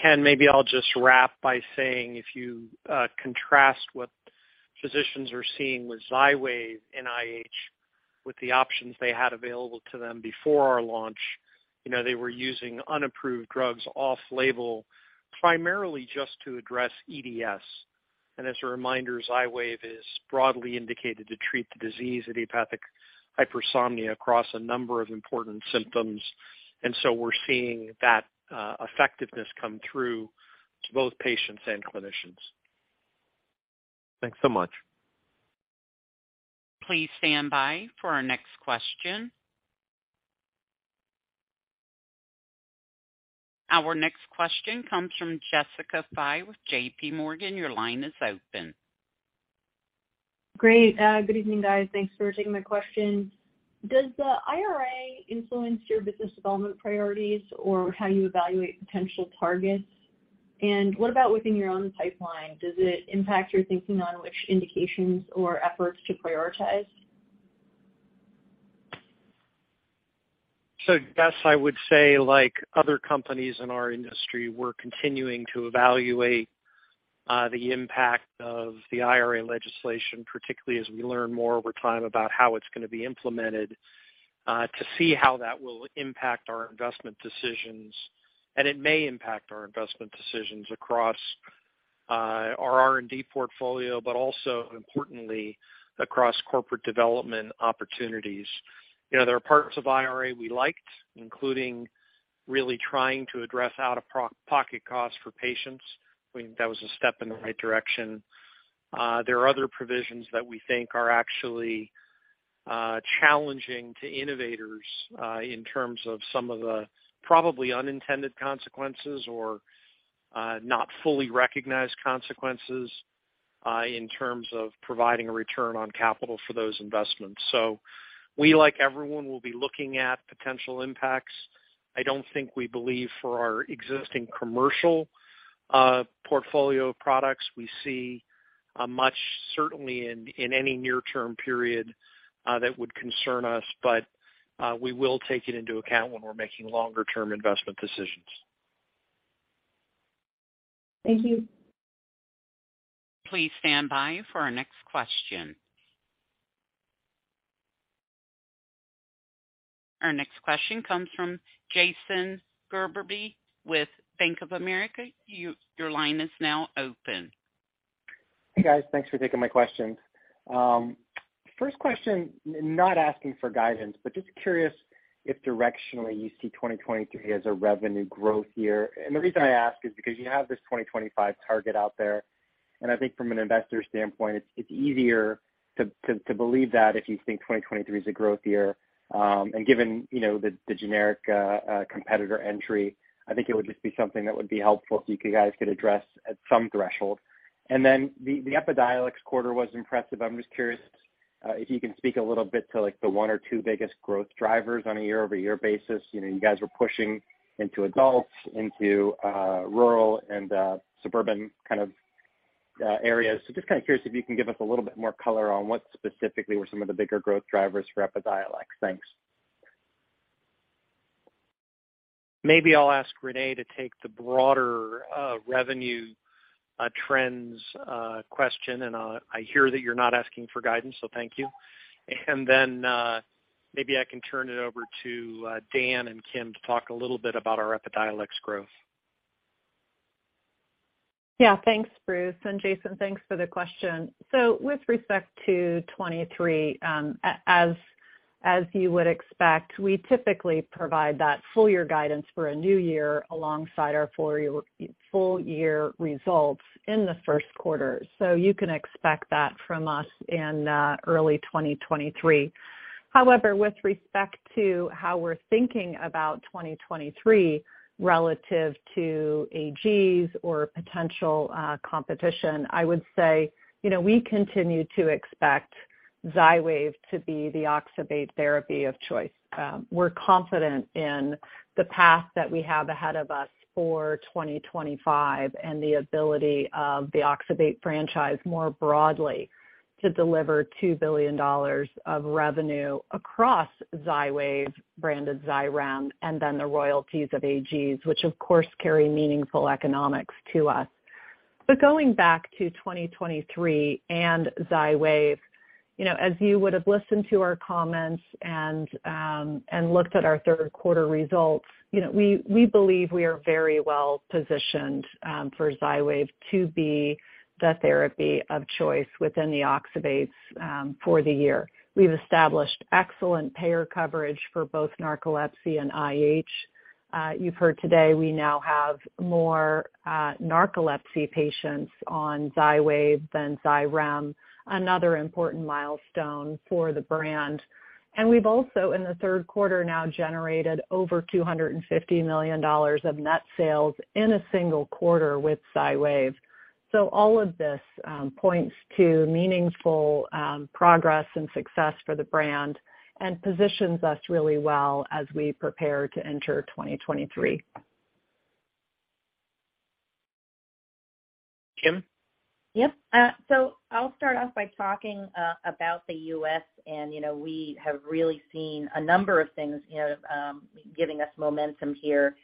Ken, maybe I'll just wrap by saying if you contrast what physicians are seeing with Xywav in IH with the options they had available to them before our launch, you know, they were using unapproved drugs off-label primarily just to address EDS. As a reminder, Xywav is broadly indicated to treat the disease, idiopathic hypersomnia, across a number of important symptoms. We're seeing that effectiveness come through to both patients and clinicians. Thanks so much. Please stand by for our next question. Our next question comes from Jessica Fye with JPMorgan. Your line is open. Great. Good evening, guys. Thanks for taking my question. Does the IRA influence your business development priorities or how you evaluate potential targets? What about within your own pipeline? Does it impact your thinking on which indications or efforts to prioritize? I would say like other companies in our industry, we're continuing to evaluate the impact of the IRA legislation, particularly as we learn more over time about how it's going to be implemented to see how that will impact our investment decisions. It may impact our investment decisions across our R&D portfolio, but also importantly across corporate development opportunities. You know, there are parts of IRA we liked, including really trying to address out-of-pocket costs for patients. We think that was a step in the right direction. There are other provisions that we think are actually challenging to innovators in terms of some of the probably unintended consequences or not fully recognized consequences in terms of providing a return on capital for those investments. We, like everyone, will be looking at potential impacts. I don't think we believe for our existing commercial portfolio of products, we see much certainty in any near-term period that would concern us. We will take it into account when we're making longer-term investment decisions. Thank you. Please stand by for our next question. Our next question comes from Jason Gerberry with Bank of America. Your line is now open. Hey, guys. Thanks for taking my questions. First question, not asking for guidance, but just curious if directionally you see 2023 as a revenue growth year. The reason I ask is because you have this 2025 target out there. I think from an investor standpoint, it's easier to believe that if you think 2023 is a growth year. Given, you know, the generic competitor entry, I think it would just be something that would be helpful if you guys could address at some threshold. Then the Epidiolex quarter was impressive. I'm just curious if you can speak a little bit to, like, the one or two biggest growth drivers on a year-over-year basis. You know, you guys were pushing into adults, into rural and suburban kind of areas. Just kind of curious if you can give us a little bit more color on what specifically were some of the bigger growth drivers for Epidiolex. Thanks. Maybe I'll ask Renee to take the broader revenue trends question. I hear that you're not asking for guidance, so thank you. Maybe I can turn it over to Dan and Kim to talk a little bit about our Epidiolex growth. Yeah. Thanks, Bruce. Jason, thanks for the question. With respect to 2023, as you would expect, we typically provide that full year guidance for a new year alongside our full year results in the first quarter. You can expect that from us in early 2023. However, with respect to how we're thinking about 2023 relative to AG's or potential competition, I would say, you know, we continue to expect Xywav to be the oxybate therapy of choice. We're confident in the path that we have ahead of us for 2025, and the ability of the oxybate franchise more broadly to deliver $2 billion of revenue across Xywav, brand Xyrem, and then the royalties of AG's, which of course carry meaningful economics to us. Going back to 2023 and Xywav, you know, as you would have listened to our comments and looked at our third quarter results, you know, we believe we are very well positioned for Xywav to be the therapy of choice within the oxybates for the year. We've established excellent payer coverage for both narcolepsy and IH. You've heard today, we now have more narcolepsy patients on Xywav than Xyrem, another important milestone for the brand. We've also, in the third quarter, generated over $250 million of net sales in a single quarter with Xywav. All of this points to meaningful progress and success for the brand and positions us really well as we prepare to enter 2023. Kim? Yep. So I'll start off by talking about the U.S. You know, we have really seen a number of things, you know, giving us momentum here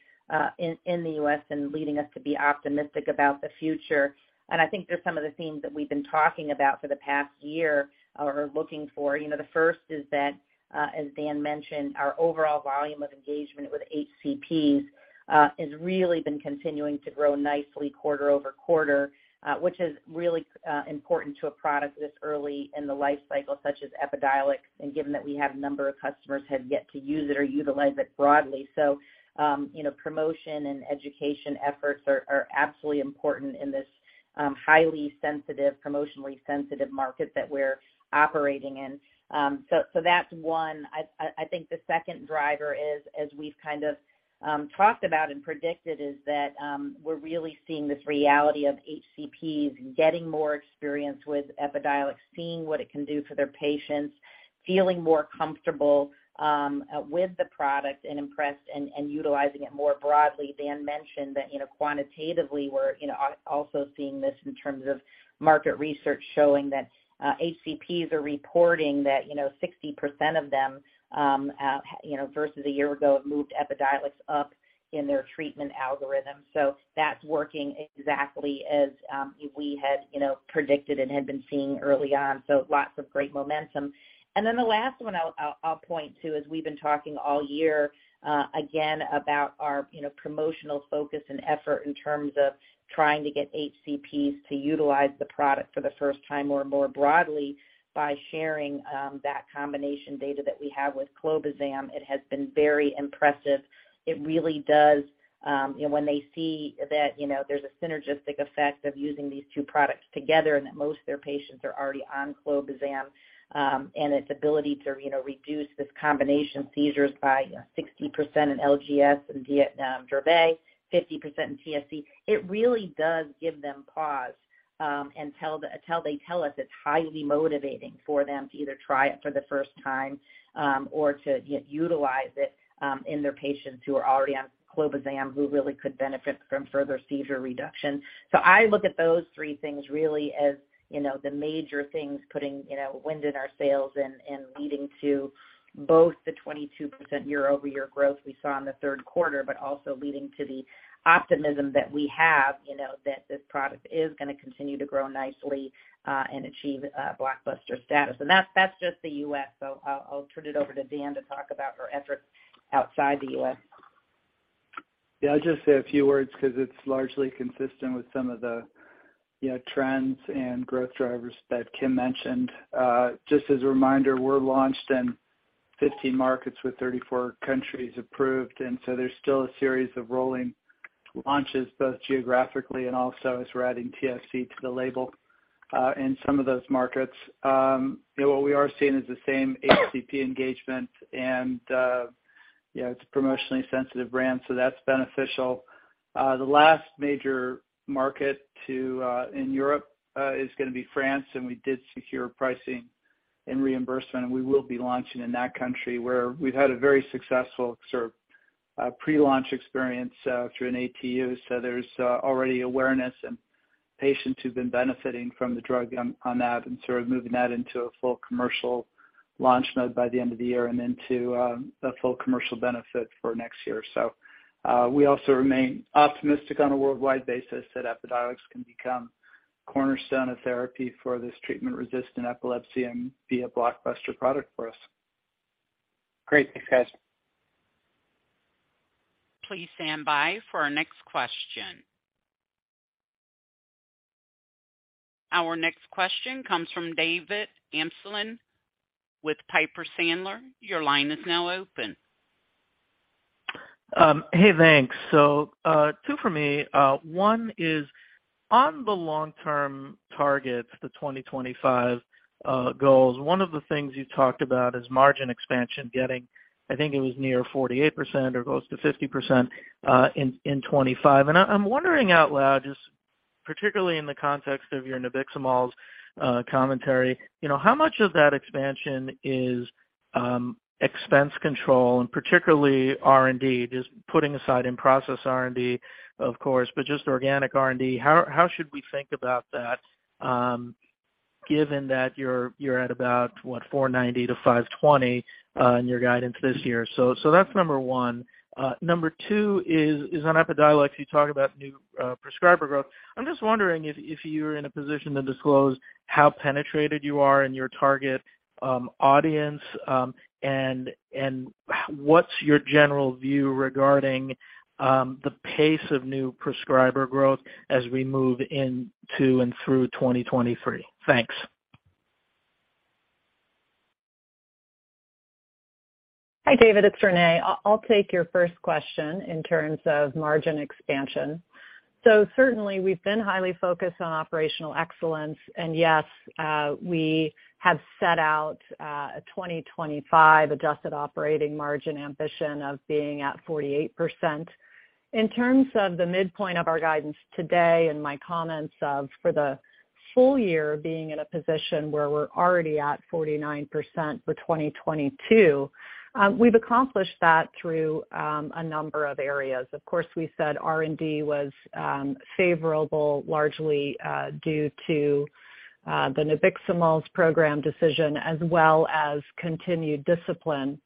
in the U.S. and leading us to be optimistic about the future. I think there's some of the themes that we've been talking about for the past year or looking for. You know, the first is that, as Dan mentioned, our overall volume of engagement with HCPs has really been continuing to grow nicely quarter-over-quarter, which is really important to a product this early in the life cycle, such as Epidiolex, and given that we have a number of customers have yet to use it or utilize it broadly. You know, promotion and education efforts are absolutely important in this, highly sensitive, promotionally sensitive market that we're operating in. That's one. I think the second driver is, as we've kind of talked about and predicted, is that, we're really seeing this reality of HCPs getting more experience with Epidiolex, seeing what it can do for their patients, feeling more comfortable with the product, and impressed and utilizing it more broadly. Dan mentioned that, you know, quantitatively we're, you know, also seeing this in terms of market research showing that, HCPs are reporting that, you know, 60% of them, versus a year ago, have moved Epidiolex up in their treatment algorithm. That's working exactly as we had, you know, predicted and had been seeing early on. Lots of great momentum. Then the last one I'll point to is we've been talking all year, again, about our, you know, promotional focus and effort in terms of trying to get HCPs to utilize the product for the first time or more broadly by sharing that combination data that we have with clobazam. It has been very impressive. It really does. You know, when they see that, you know, there's a synergistic effect of using these two products together and that most of their patients are already on clobazam, and its ability to, you know, reduce this combination seizures by 60% in LGS and Dravet, 50% in TSC, it really does give them pause. They tell us it's highly motivating for them to either try it for the first time, or to utilize it in their patients who are already on clobazam, who really could benefit from further seizure reduction. I look at those three things really as, you know, the major things putting, you know, wind in our sails and leading to both the 22% year-over-year growth we saw in the third quarter, but also leading to the optimism that we have, you know, that this product is gonna continue to grow nicely and achieve blockbuster status. That's just the U.S. I'll turn it over to Dan to talk about our efforts outside the U.S. Yeah, I'll just say a few words because it's largely consistent with some of the, you know, trends and growth drivers that Kim mentioned. Just as a reminder, we're launched in 50 markets with 34 countries approved, and so there's still a series of rolling launches, both geographically and also as we're adding TSC to the label, in some of those markets. What we are seeing is the same HCP engagement and, you know, it's a promotionally sensitive brand, so that's beneficial. The last major market in Europe is gonna be France, and we did secure pricing and reimbursement, and we will be launching in that country, where we've had a very successful sort of pre-launch experience through an ATU. There's already awareness and patients who've been benefiting from the drug on that and sort of moving that into a full commercial launch mode by the end of the year and into a full commercial benefit for next year. We also remain optimistic on a worldwide basis that Epidiolex can become cornerstone of therapy for this treatment-resistant epilepsy and be a blockbuster product for us. Great. Thanks, guys. Please stand by for our next question. Our next question comes from David Amsellem with Piper Sandler. Your line is now open. Hey, thanks. Two for me. One is on the long-term target, the 2025 goals. One of the things you talked about is margin expansion getting, I think it was near 48% or close to 50%, in 2025. I'm wondering out loud, just particularly in the context of your nabiximols commentary, you know, how much of that expansion is expense control, and particularly R&D, just putting aside in-process R&D of course, but just organic R&D, how should we think about that, given that you're at about, what, $490-$520 in your guidance this year. That's number one. Number two is on Epidiolex, you talk about new prescriber growth. I'm just wondering if you're in a position to disclose how penetrated you are in your target audience. What's your general view regarding the pace of new prescriber growth as we move into and through 2023? Thanks. Hi, David, it's Renee. I'll take your first question in terms of margin expansion. Certainly we've been highly focused on operational excellence. Yes, we have set out a 2025 adjusted operating margin ambition of being at 48%. In terms of the midpoint of our guidance today and my comments of, for the full year being in a position where we're already at 49% for 2022, we've accomplished that through a number of areas. Of course, we said R&D was favorable largely due to the nabiximols program decision as well as continued discipline.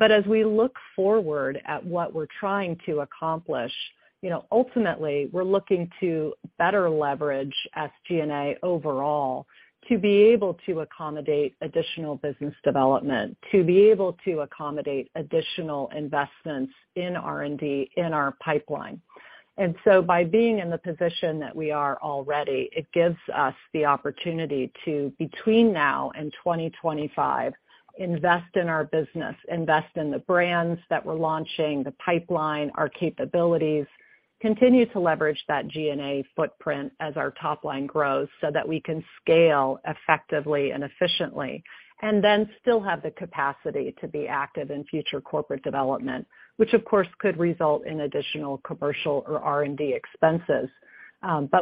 As we look forward at what we're trying to accomplish, you know, ultimately, we're looking to better leverage SG&A overall to be able to accommodate additional business development, to be able to accommodate additional investments in R&D in our pipeline. By being in the position that we are already, it gives us the opportunity to, between now and 2025, invest in our business, invest in the brands that we're launching, the pipeline, our capabilities, continue to leverage that G&A footprint as our top line grows so that we can scale effectively and efficiently, and then still have the capacity to be active in future corporate development, which of course could result in additional commercial or R&D expenses.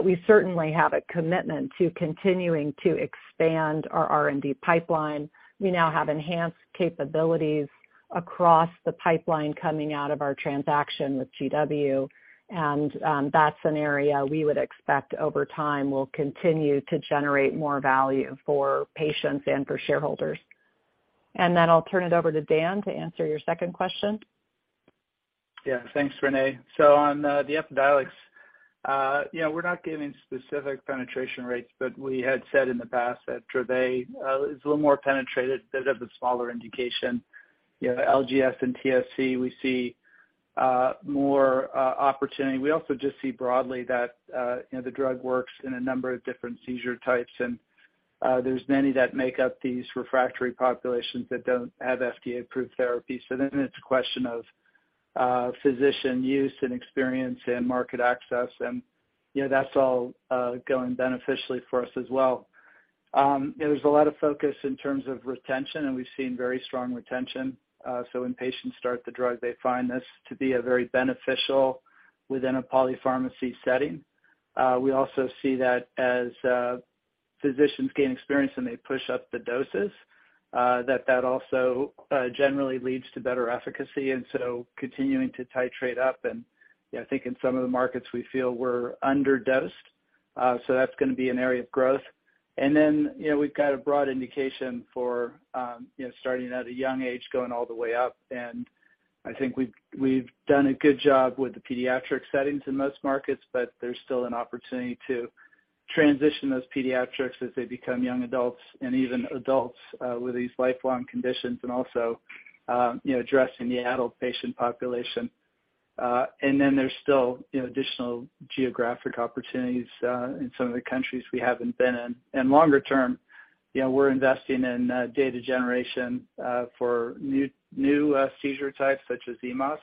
We certainly have a commitment to continuing to expand our R&D pipeline. We now have enhanced capabilities across the pipeline coming out of our transaction with GW. That's an area we would expect over time will continue to generate more value for patients and for shareholders. I'll turn it over to Dan to answer your second question. Yeah. Thanks, Renee. On the Epidiolex, you know, we're not giving specific penetration rates, but we had said in the past that Dravet is a little more penetrated because of the smaller indication. You know, LGS and TSC, we see more opportunity. We also just see broadly that, you know, the drug works in a number of different seizure types, and there's many that make up these refractory populations that don't have FDA-approved therapies. It's a question of physician use and experience and market access. You know, that's all going beneficially for us as well. There's a lot of focus in terms of retention, and we've seen very strong retention. When patients start the drug, they find this to be very beneficial within a polypharmacy setting. We also see that as physicians gain experience and they push up the doses, that also generally leads to better efficacy, and so continuing to titrate up. You know, I think in some of the markets we feel we're underdosed. That's gonna be an area of growth. You know, we've got a broad indication for, you know, starting at a young age going all the way up. I think we've done a good job with the pediatric settings in most markets, but there's still an opportunity to transition those pediatrics as they become young adults and even adults, with these lifelong conditions and also, you know, addressing the adult patient population. You know, there's still additional geographic opportunities in some of the countries we haven't been in. Longer term, you know, we're investing in data generation for new seizure types such as EMAS,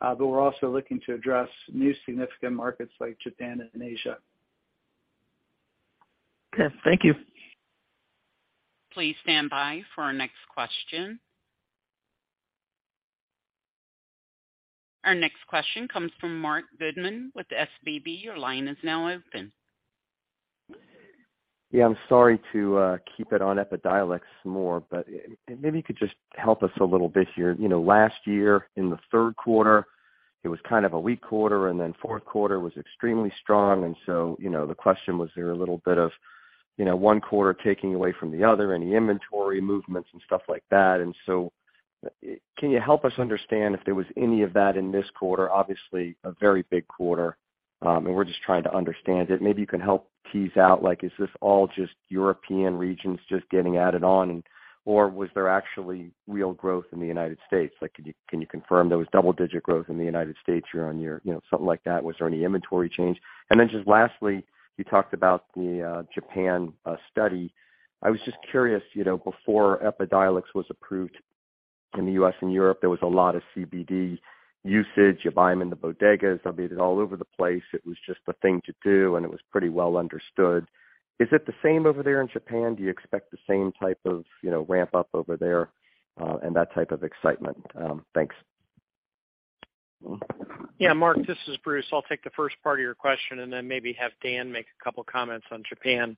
but we're also looking to address new significant markets like Japan and Asia. Okay. Thank you. Please stand by for our next question. Our next question comes from Marc Goodman with SVB. Your line is now open. Yeah, I'm sorry to keep it on Epidiolex more, but maybe you could just help us a little bit here. You know, last year in the third quarter, it was kind of a weak quarter, and then fourth quarter was extremely strong. You know, the question was there a little bit of one quarter taking away from the other, any inventory movements and stuff like that. Can you help us understand if there was any of that in this quarter? Obviously a very big quarter. We're just trying to understand it. Maybe you can help tease out, like, is this all just European regions just getting added on? Or was there actually real growth in the United States? Like, can you confirm there was double-digit growth in the United States year-on-year? You know, something like that. Was there any inventory change? Just lastly, you talked about the Japan study. I was just curious, you know, before Epidiolex was approved in the U.S. and Europe, there was a lot of CBD usage. You buy them in the bodegas. I mean, it's all over the place. It was just the thing to do, and it was pretty well understood. Is it the same over there in Japan? Do you expect the same type of, you know, ramp up over there, and that type of excitement? Thanks. Yeah, Marc, this is Bruce. I'll take the first part of your question and then maybe have Dan make a couple comments on Japan.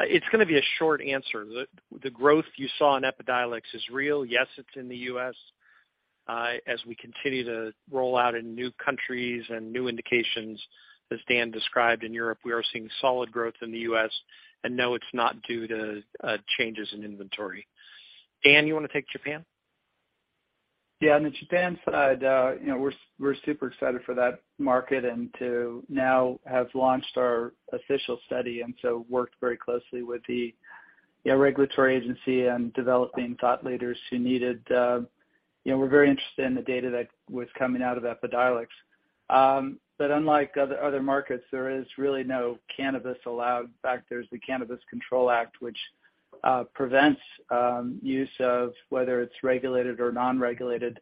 It's gonna be a short answer. The growth you saw in Epidiolex is real. Yes, it's in the U.S. As we continue to roll out in new countries and new indications, as Dan described in Europe, we are seeing solid growth in the U.S. No, it's not due to changes in inventory. Dan, you wanna take Japan? Yeah. On the Japan side, you know, we're super excited for that market and to now have launched our official study and worked very closely with the, you know, regulatory agency and developing thought leaders who were very interested in the data that was coming out of Epidiolex. Unlike other markets, there is really no cannabis allowed. In fact, there's the Cannabis Control Act, which prevents use of whether it's regulated or non-regulated.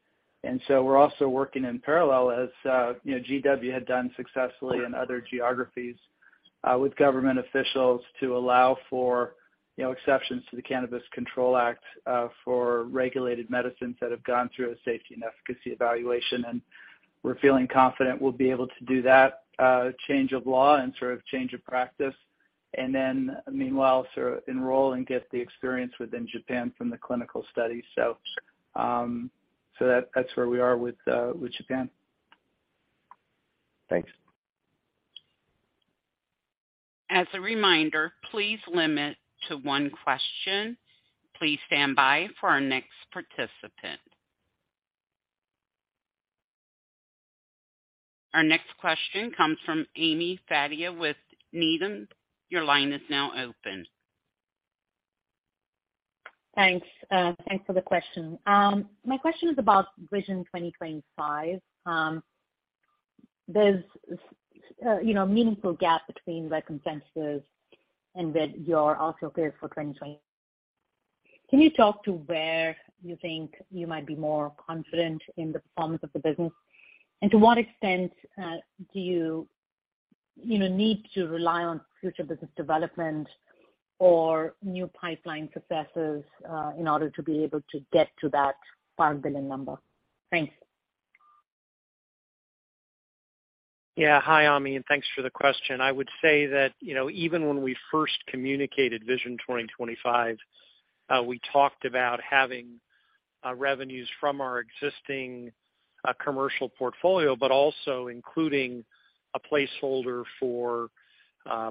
We're also working in parallel as, you know, GW had done successfully in other geographies, with government officials to allow for, you know, exceptions to the Cannabis Control Act, for regulated medicines that have gone through a safety and efficacy evaluation. We're feeling confident we'll be able to do that, change of law and sort of change of practice. Then meanwhile, sort of enroll and get the experience within Japan from the clinical study. That's where we are with Japan. Thanks. As a reminder, please limit to one question. Please stand by for our next participant. Our next question comes from Ami Fadia with Needham. Your line is now open. Thanks. Thanks for the question. My question is about Vision 2025. There's, you know, a meaningful gap between the consensus and that you're also guiding for 2020. Can you talk to where you think you might be more confident in the performance of the business? And to what extent do you know, need to rely on future business development or new pipeline successes in order to be able to get to that $5 billion number? Thanks. Yeah. Hi, Ami, and thanks for the question. I would say that, you know, even when we first communicated Vision 2025, we talked about having revenues from our existing commercial portfolio, but also including a placeholder for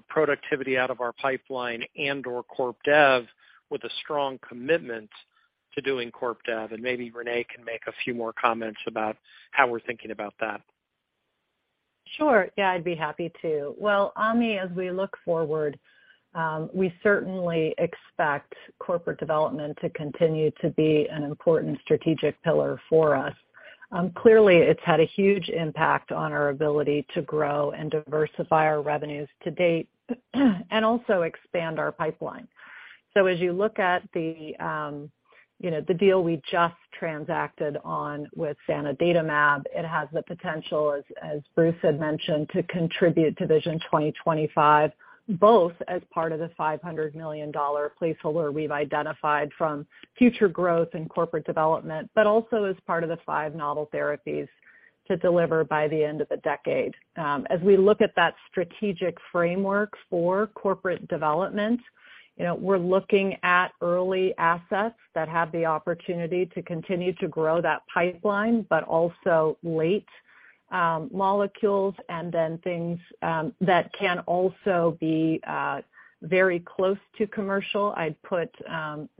productivity out of our pipeline and/or corp dev with a strong commitment to doing corp dev. Maybe Renee can make a few more comments about how we're thinking about that. Sure. Yeah, I'd be happy to. Well, Ami, as we look forward, we certainly expect corporate development to continue to be an important strategic pillar for us. Clearly, it's had a huge impact on our ability to grow and diversify our revenues to date, and also expand our pipeline. As you look at the, you know, the deal we just transacted on with zanidatamab, it has the potential, as Bruce had mentioned, to contribute to Vision 2025, both as part of the $500 million placeholder we've identified from future growth and corporate development, but also as part of the five novel therapies to deliver by the end of the decade. As we look at that strategic framework for corporate development, you know, we're looking at early assets that have the opportunity to continue to grow that pipeline, but also late molecules and then things that can also be very close to commercial. I'd put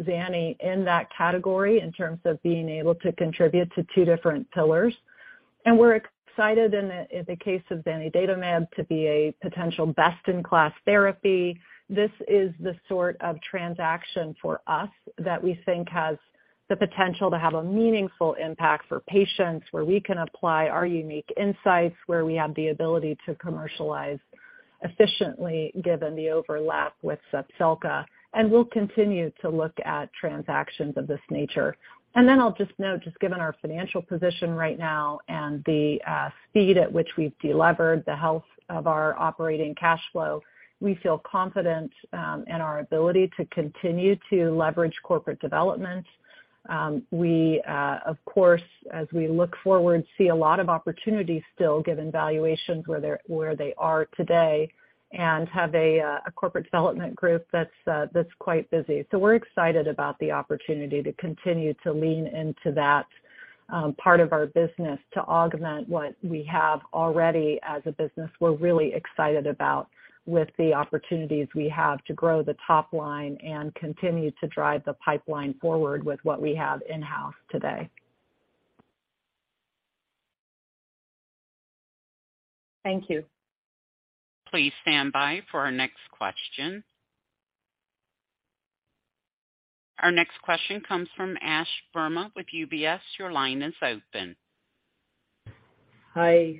zani in that category in terms of being able to contribute to two different pillars. We're excited in the case of zanidatamab to be a potential best-in-class therapy. This is the sort of transaction for us that we think has the potential to have a meaningful impact for patients, where we can apply our unique insights, where we have the ability to commercialize efficiently given the overlap with Zepzelca, and we'll continue to look at transactions of this nature. Then I'll just note, just given our financial position right now and the speed at which we've delevered the health of our operating cash flow, we feel confident in our ability to continue to leverage corporate development. We of course, as we look forward, see a lot of opportunities still given valuations where they are today, and have a corporate development group that's quite busy. We're excited about the opportunity to continue to lean into that part of our business to augment what we have already as a business we're really excited about with the opportunities we have to grow the top line and continue to drive the pipeline forward with what we have in-house today. Thank you. Please stand by for our next question. Our next question comes from Ash Verma with UBS. Your line is open. Hi,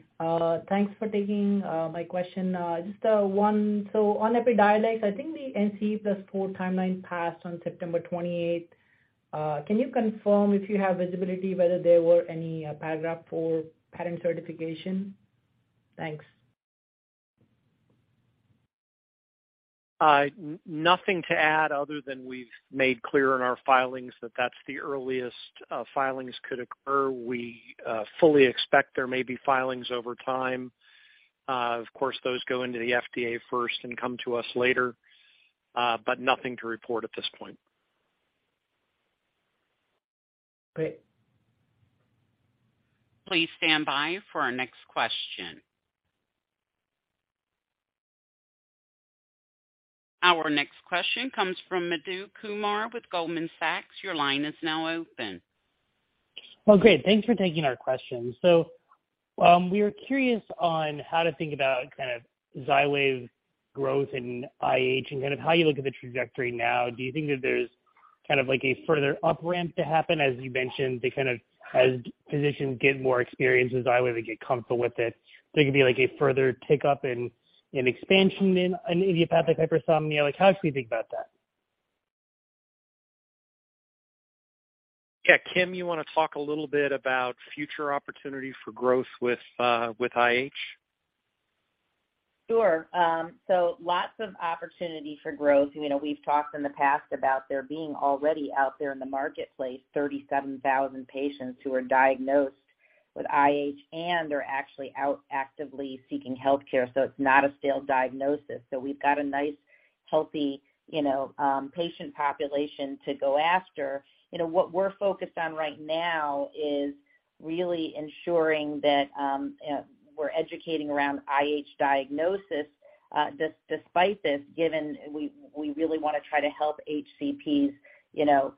thanks for taking my question. Just one. On Epidiolex, I think the NCE plus four timeline passed on September 28. Can you confirm if you have visibility whether there were any Paragraph IV patent certification? Thanks. Nothing to add other than we've made clear in our filings that that's the earliest filings could occur. We fully expect there may be filings over time. Of course, those go into the FDA first and come to us later. But nothing to report at this point. Great. Please stand by for our next question. Our next question comes from Madhu Kumar with Goldman Sachs. Your line is now open. Well, great. Thanks for taking our question. We are curious on how to think about kind of Xywav growth in IH and kind of how you look at the trajectory now. Do you think that there's kind of like a further up ramp to happen? As you mentioned, as physicians get more experience with Xywav, they get comfortable with it, there could be like a further tick up in expansion in an idiopathic hypersomnia. Like, how should we think about that? Yeah. Kim, you wanna talk a little bit about future opportunities for growth with IH? Sure. Lots of opportunity for growth. You know, we've talked in the past about there being already out there in the marketplace 37,000 patients who are diagnosed with IH and are actually out actively seeking healthcare. It's not a failed diagnosis. We've got a nice, healthy, you know, patient population to go after. You know, what we're focused on right now is really ensuring that we're educating around IH diagnosis, despite this, given we really wanna try to help HCPs, you know,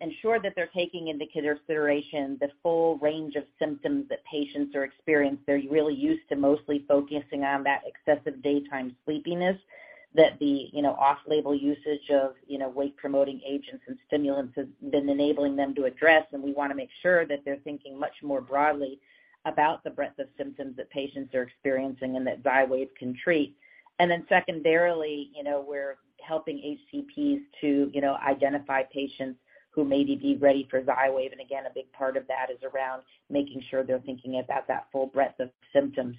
ensure that they're taking into consideration the full range of symptoms that patients are experiencing. They're really used to mostly focusing on that excessive daytime sleepiness that the, you know, off-label usage of, you know, wake-promoting agents and stimulants has been enabling them to address. We wanna make sure that they're thinking much more broadly about the breadth of symptoms that patients are experiencing and that Xywav can treat. Then secondarily, you know, we're helping HCPs to, you know, identify patients who may be ready for Xywav. Again, a big part of that is around making sure they're thinking about that full breadth of symptoms.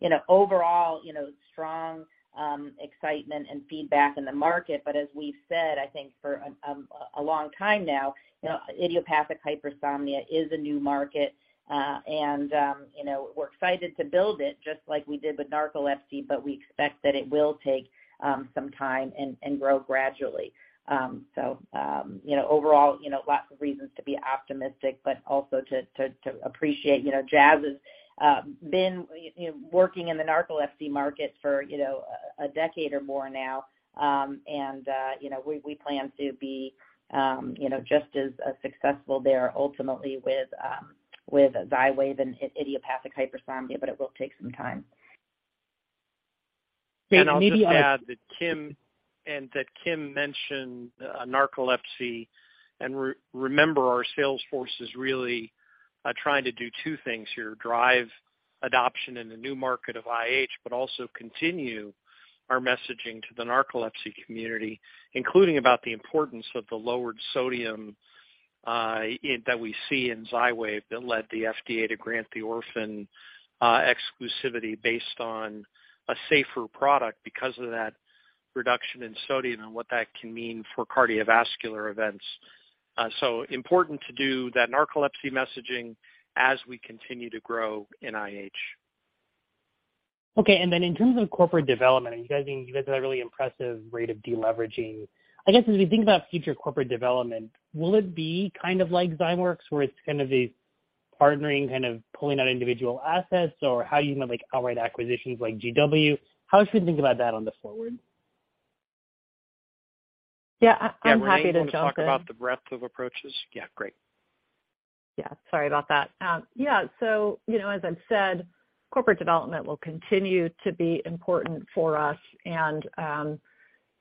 You know, overall, you know, strong excitement and feedback in the market. But as we've said, I think for a long time now, you know, idiopathic hypersomnia is a new market. You know, we're excited to build it just like we did with narcolepsy, but we expect that it will take some time and grow gradually. You know, overall, you know, lots of reasons to be optimistic, but also to appreciate. You know, Jazz has been, you know, working in the narcolepsy market for, you know, a decade or more now. You know, we plan to be, you know, just as successful there ultimately with Xywav and idiopathic hypersomnia, but it will take some time. And maybe- I'll just add that Kim mentioned narcolepsy. Remember our sales force is really trying to do two things here, drive adoption in the new market of IH, but also continue our messaging to the narcolepsy community, including about the importance of the lowered sodium that we see in Xywav that led the FDA to grant the orphan exclusivity based on a safer product because of that reduction in sodium and what that can mean for cardiovascular events. Important to do that narcolepsy messaging as we continue to grow in IH. Okay. In terms of corporate development, you guys had a really impressive rate of deleveraging. I guess, as we think about future corporate development, will it be kind of like Zymeworks, where it's kind of a partnering, kind of pulling out individual assets? Or how you might like outright acquisitions like GW? How should we think about that going forward? Yeah, I'm happy to jump in. Yeah, Renee, you wanna talk about the breadth of approaches? Yeah, great. Yeah, sorry about that. You know, as I've said, corporate development will continue to be important for us.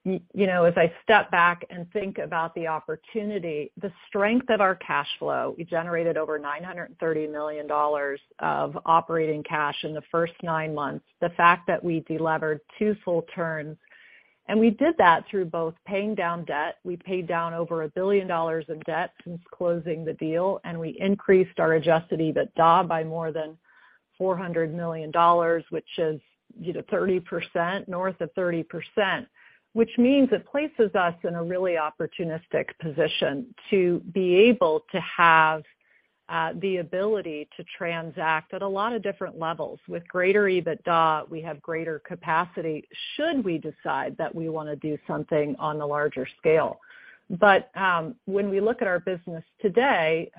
You know, as I step back and think about the opportunity, the strength of our cash flow, we generated over $930 million of operating cash in the first nine months. The fact that we delevered two full turns, and we did that through both paying down debt. We paid down over $1 billion of debt since closing the deal, and we increased our adjusted EBITDA by more than $400 million, which is, you know, 30%, north of 30%. Which means it places us in a really opportunistic position to be able to have the ability to transact at a lot of different levels. With greater EBITDA, we have greater capacity should we decide that we wanna do something on the larger scale. When we look at our business today,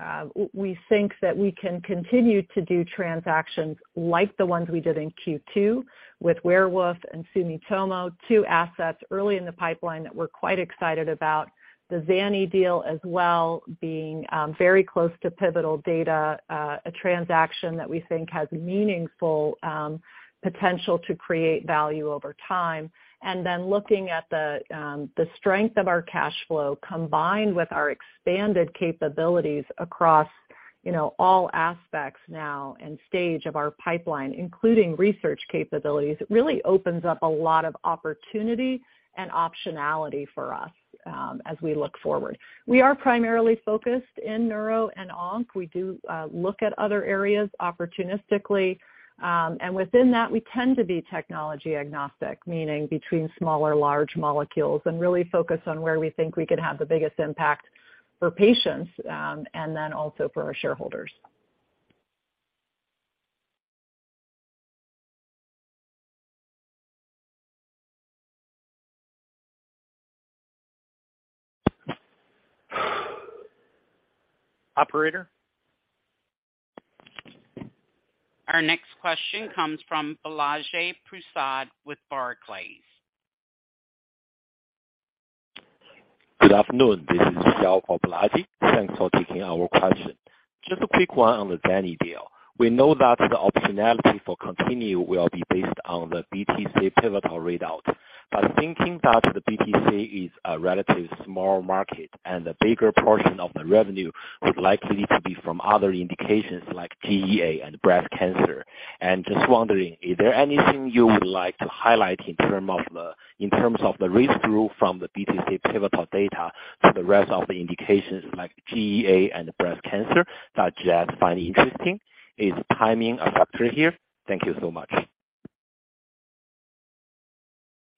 we think that we can continue to do transactions like the ones we did in Q2 with Werewolf and Sumitomo, two assets early in the pipeline that we're quite excited about. The zanidatamab deal as well, being very close to pivotal data, a transaction that we think has meaningful potential to create value over time. Then looking at the strength of our cash flow combined with our expanded capabilities across You know, all aspects now and stage of our pipeline, including research capabilities, really opens up a lot of opportunity and optionality for us, as we look forward. We are primarily focused in neuro and onc. We do look at other areas opportunistically. Within that, we tend to be technology agnostic, meaning between small or large molecules, and really focus on where we think we could have the biggest impact for patients, and then also for our shareholders. Operator? Our next question comes from Balaji Prasad with Barclays. Good afternoon. This is Xiao for Balaji. Thanks for taking our question. Just a quick one on the zanidatamab deal. We know that the optionality for continue will be based on the BTC pivotal readout. Thinking that the BTC is a relatively small market and a bigger portion of the revenue would likely to be from other indications like GEA and breast cancer, and just wondering, is there anything you would like to highlight in terms of the risk-reward from the BTC pivotal data for the rest of the indications like GEA and breast cancer that you guys find interesting? Is timing a factor here? Thank you so much.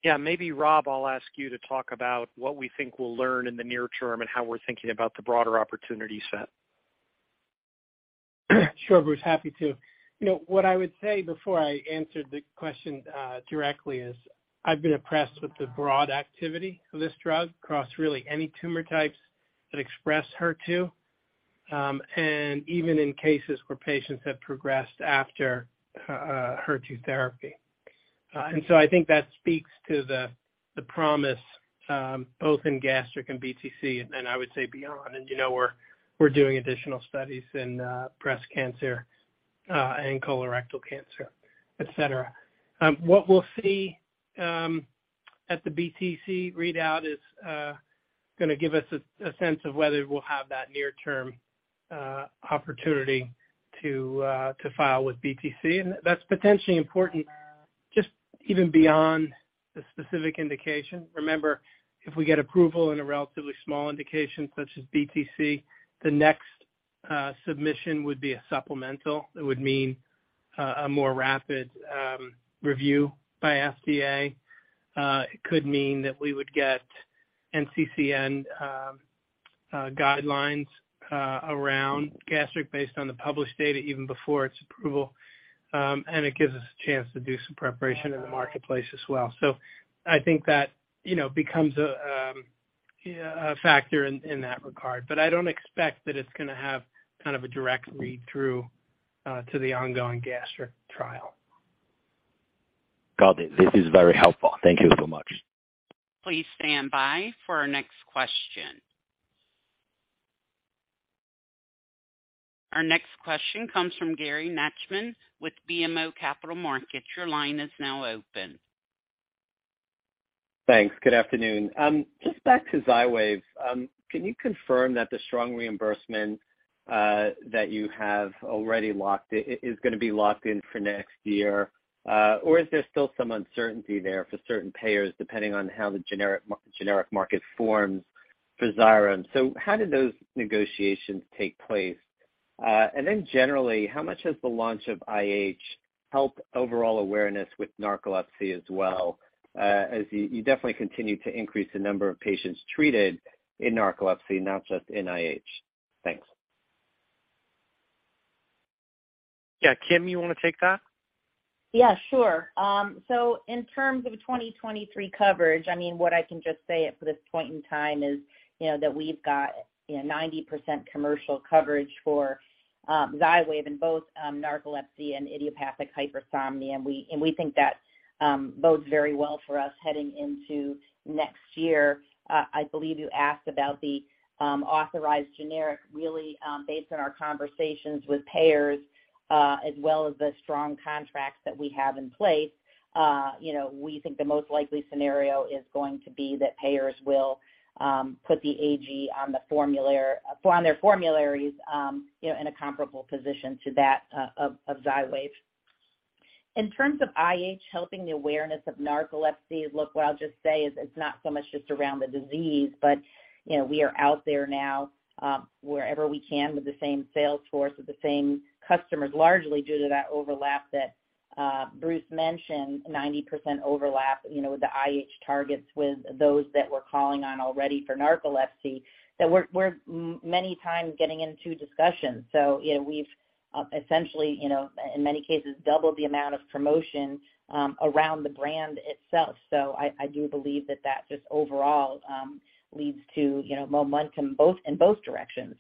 Yeah, maybe Rob, I'll ask you to talk about what we think we'll learn in the near term and how we're thinking about the broader opportunity set. Sure, Bruce. Happy to. You know, what I would say before I answer the question directly is I've been impressed with the broad activity of this drug across really any tumor types that express HER2, and even in cases where patients have progressed after a HER2 therapy. I think that speaks to the promise both in gastric and BTC, and I would say beyond. You know, we're doing additional studies in breast cancer and colorectal cancer, et cetera. What we'll see at the BTC readout is gonna give us a sense of whether we'll have that near-term opportunity to file with BTC. That's potentially important just even beyond the specific indication. Remember, if we get approval in a relatively small indication such as BTC, the next submission would be a supplemental. It would mean a more rapid review by FDA. It could mean that we would get NCCN guidelines around gastric based on the published data even before its approval. It gives us a chance to do some preparation in the marketplace as well. I think that, you know, becomes a factor in that regard. I don't expect that it's gonna have kind of a direct read-through to the ongoing gastric trial. Got it. This is very helpful. Thank you so much. Please stand by for our next question. Our next question comes from Gary Nachman with BMO Capital Markets. Your line is now open. Thanks. Good afternoon. Just back to Xywav. Can you confirm that the strong reimbursement that you have already locked is gonna be locked in for next year? Or is there still some uncertainty there for certain payers depending on how the generic market forms for Xyrem? How did those negotiations take place? Generally, how much has the launch of IH helped overall awareness with narcolepsy as well? As you definitely continue to increase the number of patients treated in narcolepsy, not just in IH. Thanks. Yeah. Kim, you wanna take that? Yeah, sure. So in terms of 2023 coverage, I mean, what I can just say at this point in time is, you know, that we've got, you know, 90% commercial coverage for Xywav in both narcolepsy and idiopathic hypersomnia. We think that bodes very well for us heading into next year. I believe you asked about the authorized generic really, based on our conversations with payers, as well as the strong contracts that we have in place. You know, we think the most likely scenario is going to be that payers will put the AG on their formularies, you know, in a comparable position to that of Xywav. In terms of IH helping the awareness of narcolepsy, look, what I'll just say is it's not so much just around the disease, but, you know, we are out there now, wherever we can with the same sales force, with the same customers, largely due to that overlap that Bruce mentioned, 90% overlap, you know, with the IH targets, with those that we're calling on already for narcolepsy, that we're many times getting into discussions. So, you know, we've essentially, you know, in many cases, doubled the amount of promotion around the brand itself. So I do believe that just overall leads to, you know, momentum both in both directions,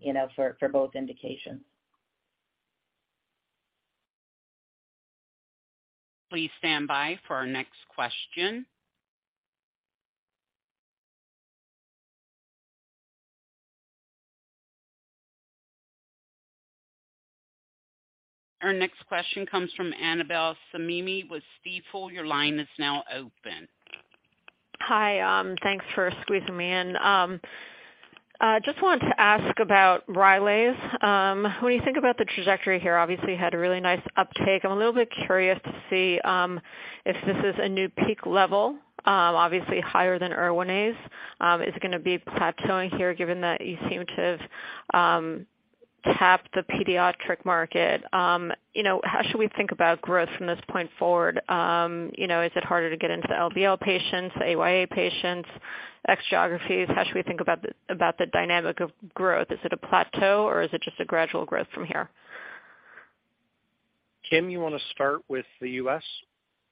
you know, for both indications. Please stand by for our next question. Our next question comes from Annabel Samimy with Stifel. Your line is now open. Hi. Thanks for squeezing me in. Just wanted to ask about Rylaze. When you think about the trajectory here, obviously had a really nice uptake. I'm a little bit curious to see if this is a new peak level, obviously higher than Erwinaze. Is it gonna be plateauing here given that you seem to have tapped the pediatric market? You know, how should we think about growth from this point forward? You know, is it harder to get into ALL patients, AYA patients, other geographies? How should we think about the dynamic of growth? Is it a plateau or is it just a gradual growth from here? Kim, you wanna start with the U.S.?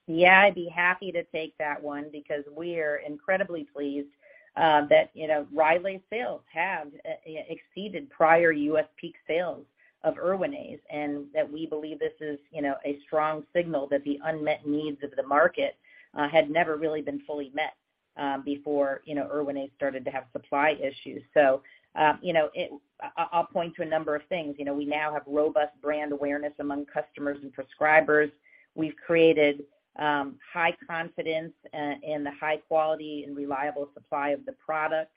Yeah, I'd be happy to take that one because we are incredibly pleased that, you know, Rylaze sales have exceeded prior U.S. peak sales of Erwinaze, and that we believe this is, you know, a strong signal that the unmet needs of the market had never really been fully met before, you know, Erwinaze started to have supply issues. I'll point to a number of things. You know, we now have robust brand awareness among customers and prescribers. We've created high confidence in the high quality and reliable supply of the product.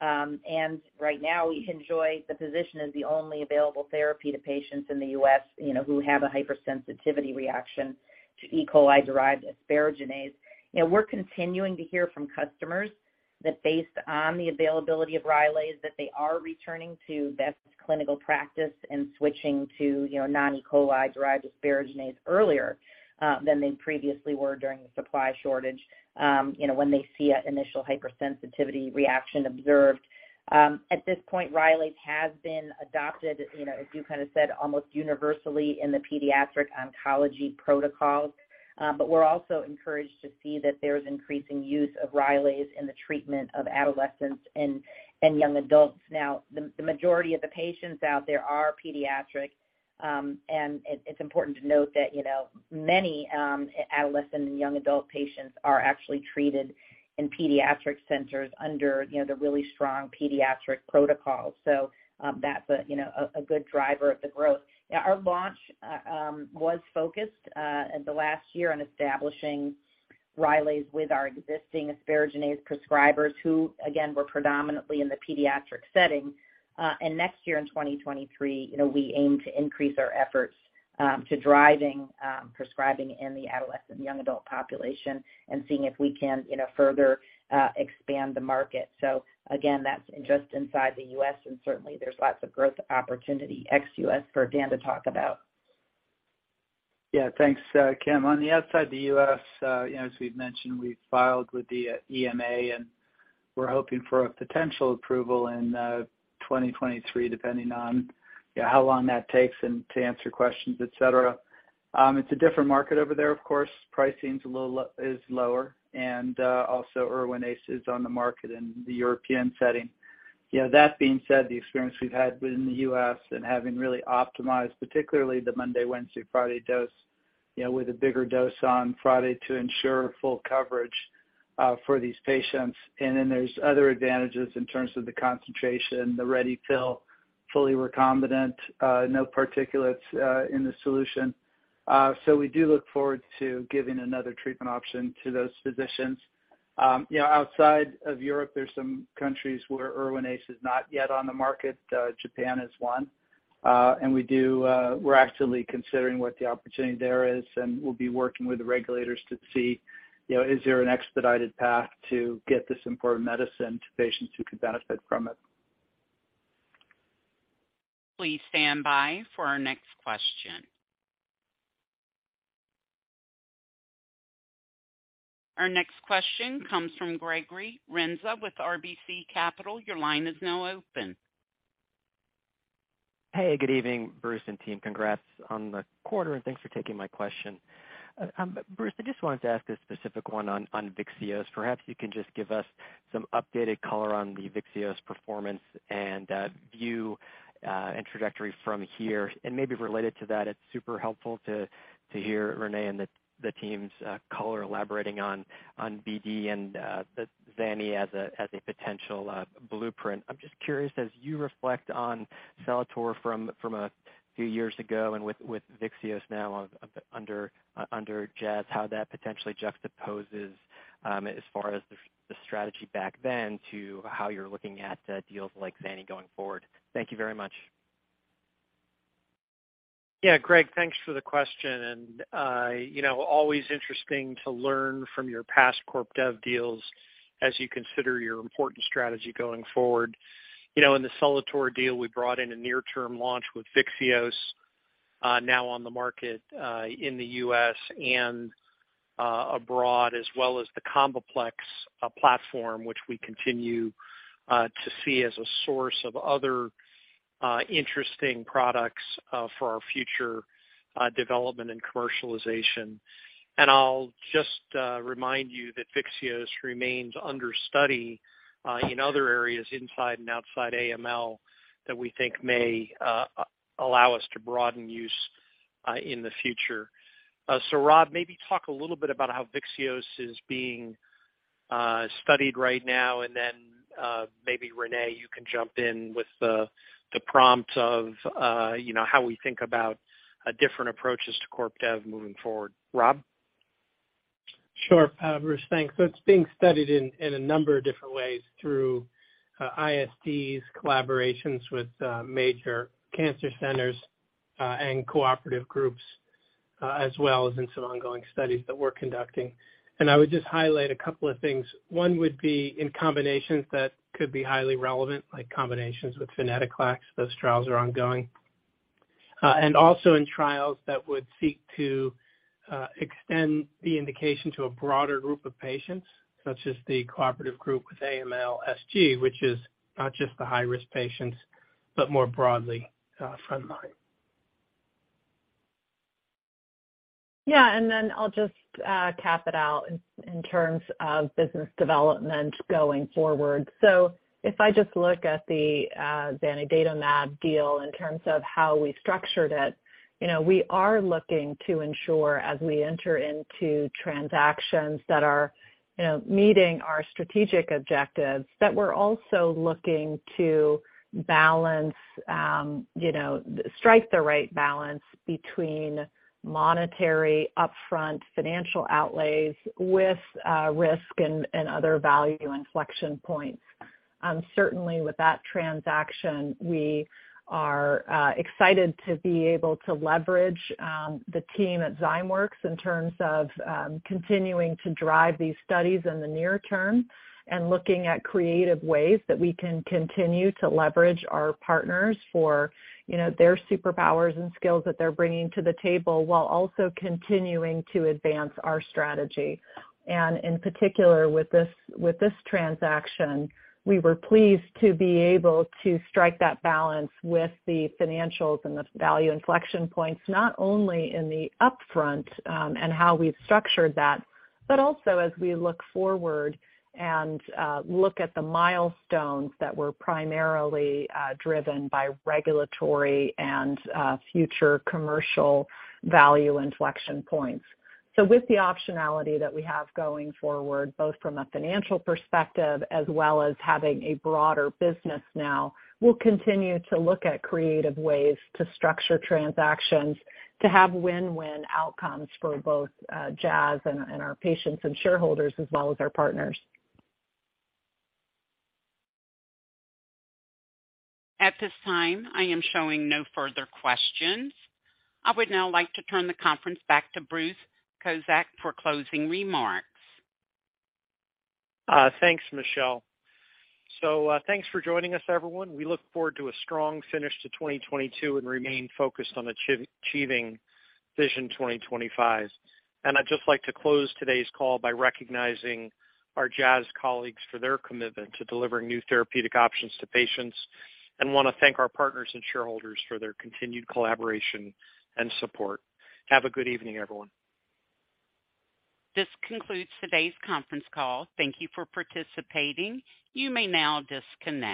Right now we enjoy the position as the only available therapy to patients in the U.S., you know, who have a hypersensitivity reaction to E. coli-derived asparaginase. You know, we're continuing to hear from customers that based on the availability of Rylaze, that they are returning to best clinical practice and switching to, you know, non-E. coli-derived asparaginase earlier than they previously were during the supply shortage, you know, when they see an initial hypersensitivity reaction observed. At this point, Rylaze has been adopted, you know, as you kind of said, almost universally in the pediatric oncology protocols. But we're also encouraged to see that there's increasing use of Rylaze in the treatment of adolescents and young adults. Now, the majority of the patients out there are pediatric. It's important to note that, you know, many adolescent and young adult patients are actually treated in pediatric centers under, you know, the really strong pediatric protocols. That's a you know good driver of the growth. Yeah, our launch was focused the last year on establishing Rylaze with our existing asparaginase prescribers who again were predominantly in the pediatric setting. Next year in 2023, you know, we aim to increase our efforts to driving prescribing in the adolescent young adult population and seeing if we can, you know, further expand the market. Again, that's just inside the U.S. and certainly there's lots of growth opportunity ex-U.S. for Dan to talk about. Yeah, thanks, Kim. Outside the U.S., you know, as we've mentioned, we've filed with the EMA, and we're hoping for a potential approval in 2023, depending on, you know, how long that takes and to answer questions, et cetera. It's a different market over there, of course. Pricing's a little lower, and also Erwinaze is on the market in the European setting. You know, that being said, the experience we've had within the U.S. and having really optimized, particularly the Monday, Wednesday, Friday dose, you know, with a bigger dose on Friday to ensure full coverage for these patients. There's other advantages in terms of the concentration, the ready fill, fully recombinant, no particulates in the solution. We do look forward to giving another treatment option to those physicians. You know, outside of Europe, there's some countries where Erwinaze is not yet on the market, Japan is one. We're actively considering what the opportunity there is, and we'll be working with the regulators to see, you know, is there an expedited path to get this important medicine to patients who could benefit from it? Please stand by for our next question. Our next question comes from Gregory Renza with RBC Capital. Your line is now open. Hey, good evening, Bruce and team. Congrats on the quarter, and thanks for taking my question. Bruce, I just wanted to ask a specific one on Vyxeos. Perhaps you can just give us some updated color on the Vyxeos performance and view and trajectory from here. Maybe related to that, it's super helpful to hear Renee and the team's color elaborating on BD and the zanidatamab as a potential blueprint. I'm just curious, as you reflect on Celator from a few years ago and with Vyxeos now under Jazz, how that potentially juxtaposes, as far as the strategy back then to how you're looking at deals like zanidatamab going forward. Thank you very much. Yeah, Greg, thanks for the question and, you know, always interesting to learn from your past corp dev deals as you consider your important strategy going forward. You know, in the Celator deal, we brought in a near-term launch with Vyxeos, now on the market, in the U.S. and abroad, as well as the CombiPlex platform, which we continue to see as a source of other interesting products for our future development and commercialization. I'll just remind you that Vyxeos remains under study in other areas inside and outside AML that we think may allow us to broaden use in the future. Rob, maybe talk a little bit about how Vyxeos is being studied right now, and then, maybe Renee, you can jump in with the prompt of, you know, how we think about different approaches to corp dev moving forward. Rob? Sure, Bruce. Thanks. It's being studied in a number of different ways through ISTs, collaborations with major cancer centers, and cooperative groups, as well as in some ongoing studies that we're conducting. I would just highlight a couple of things. One would be in combinations that could be highly relevant, like combinations with venetoclax. Those trials are ongoing. Also in trials that would seek to extend the indication to a broader group of patients, such as the cooperative group with AMLSG, which is not just the high-risk patients, but more broadly, frontline. I'll just cap it out in terms of business development going forward. If I just look at the zanidatamab deal in terms of how we structured it, you know, we are looking to ensure as we enter into transactions that are, you know, meeting our strategic objectives, that we're also looking to balance, you know, strike the right balance between monetary upfront financial outlays with risk and other value inflection points. Certainly with that transaction, we are excited to be able to leverage the team at Zymeworks in terms of continuing to drive these studies in the near term and looking at creative ways that we can continue to leverage our partners for, you know, their superpowers and skills that they're bringing to the table while also continuing to advance our strategy. In particular, with this transaction, we were pleased to be able to strike that balance with the financials and the value inflection points, not only in the upfront and how we've structured that, but also as we look forward and look at the milestones that were primarily driven by regulatory and future commercial value inflection points. With the optionality that we have going forward, both from a financial perspective as well as having a broader business now, we'll continue to look at creative ways to structure transactions to have win-win outcomes for both Jazz and our patients and shareholders as well as our partners. At this time, I am showing no further questions. I would now like to turn the conference back to Bruce Cozadd for closing remarks. Thanks, Michelle. Thanks for joining us, everyone. We look forward to a strong finish to 2022 and remain focused on achieving Vision 2025. I'd just like to close today's call by recognizing our Jazz colleagues for their commitment to delivering new therapeutic options to patients, and wanna thank our partners and shareholders for their continued collaboration and support. Have a good evening, everyone. This concludes today's conference call. Thank you for participating. You may now disconnect.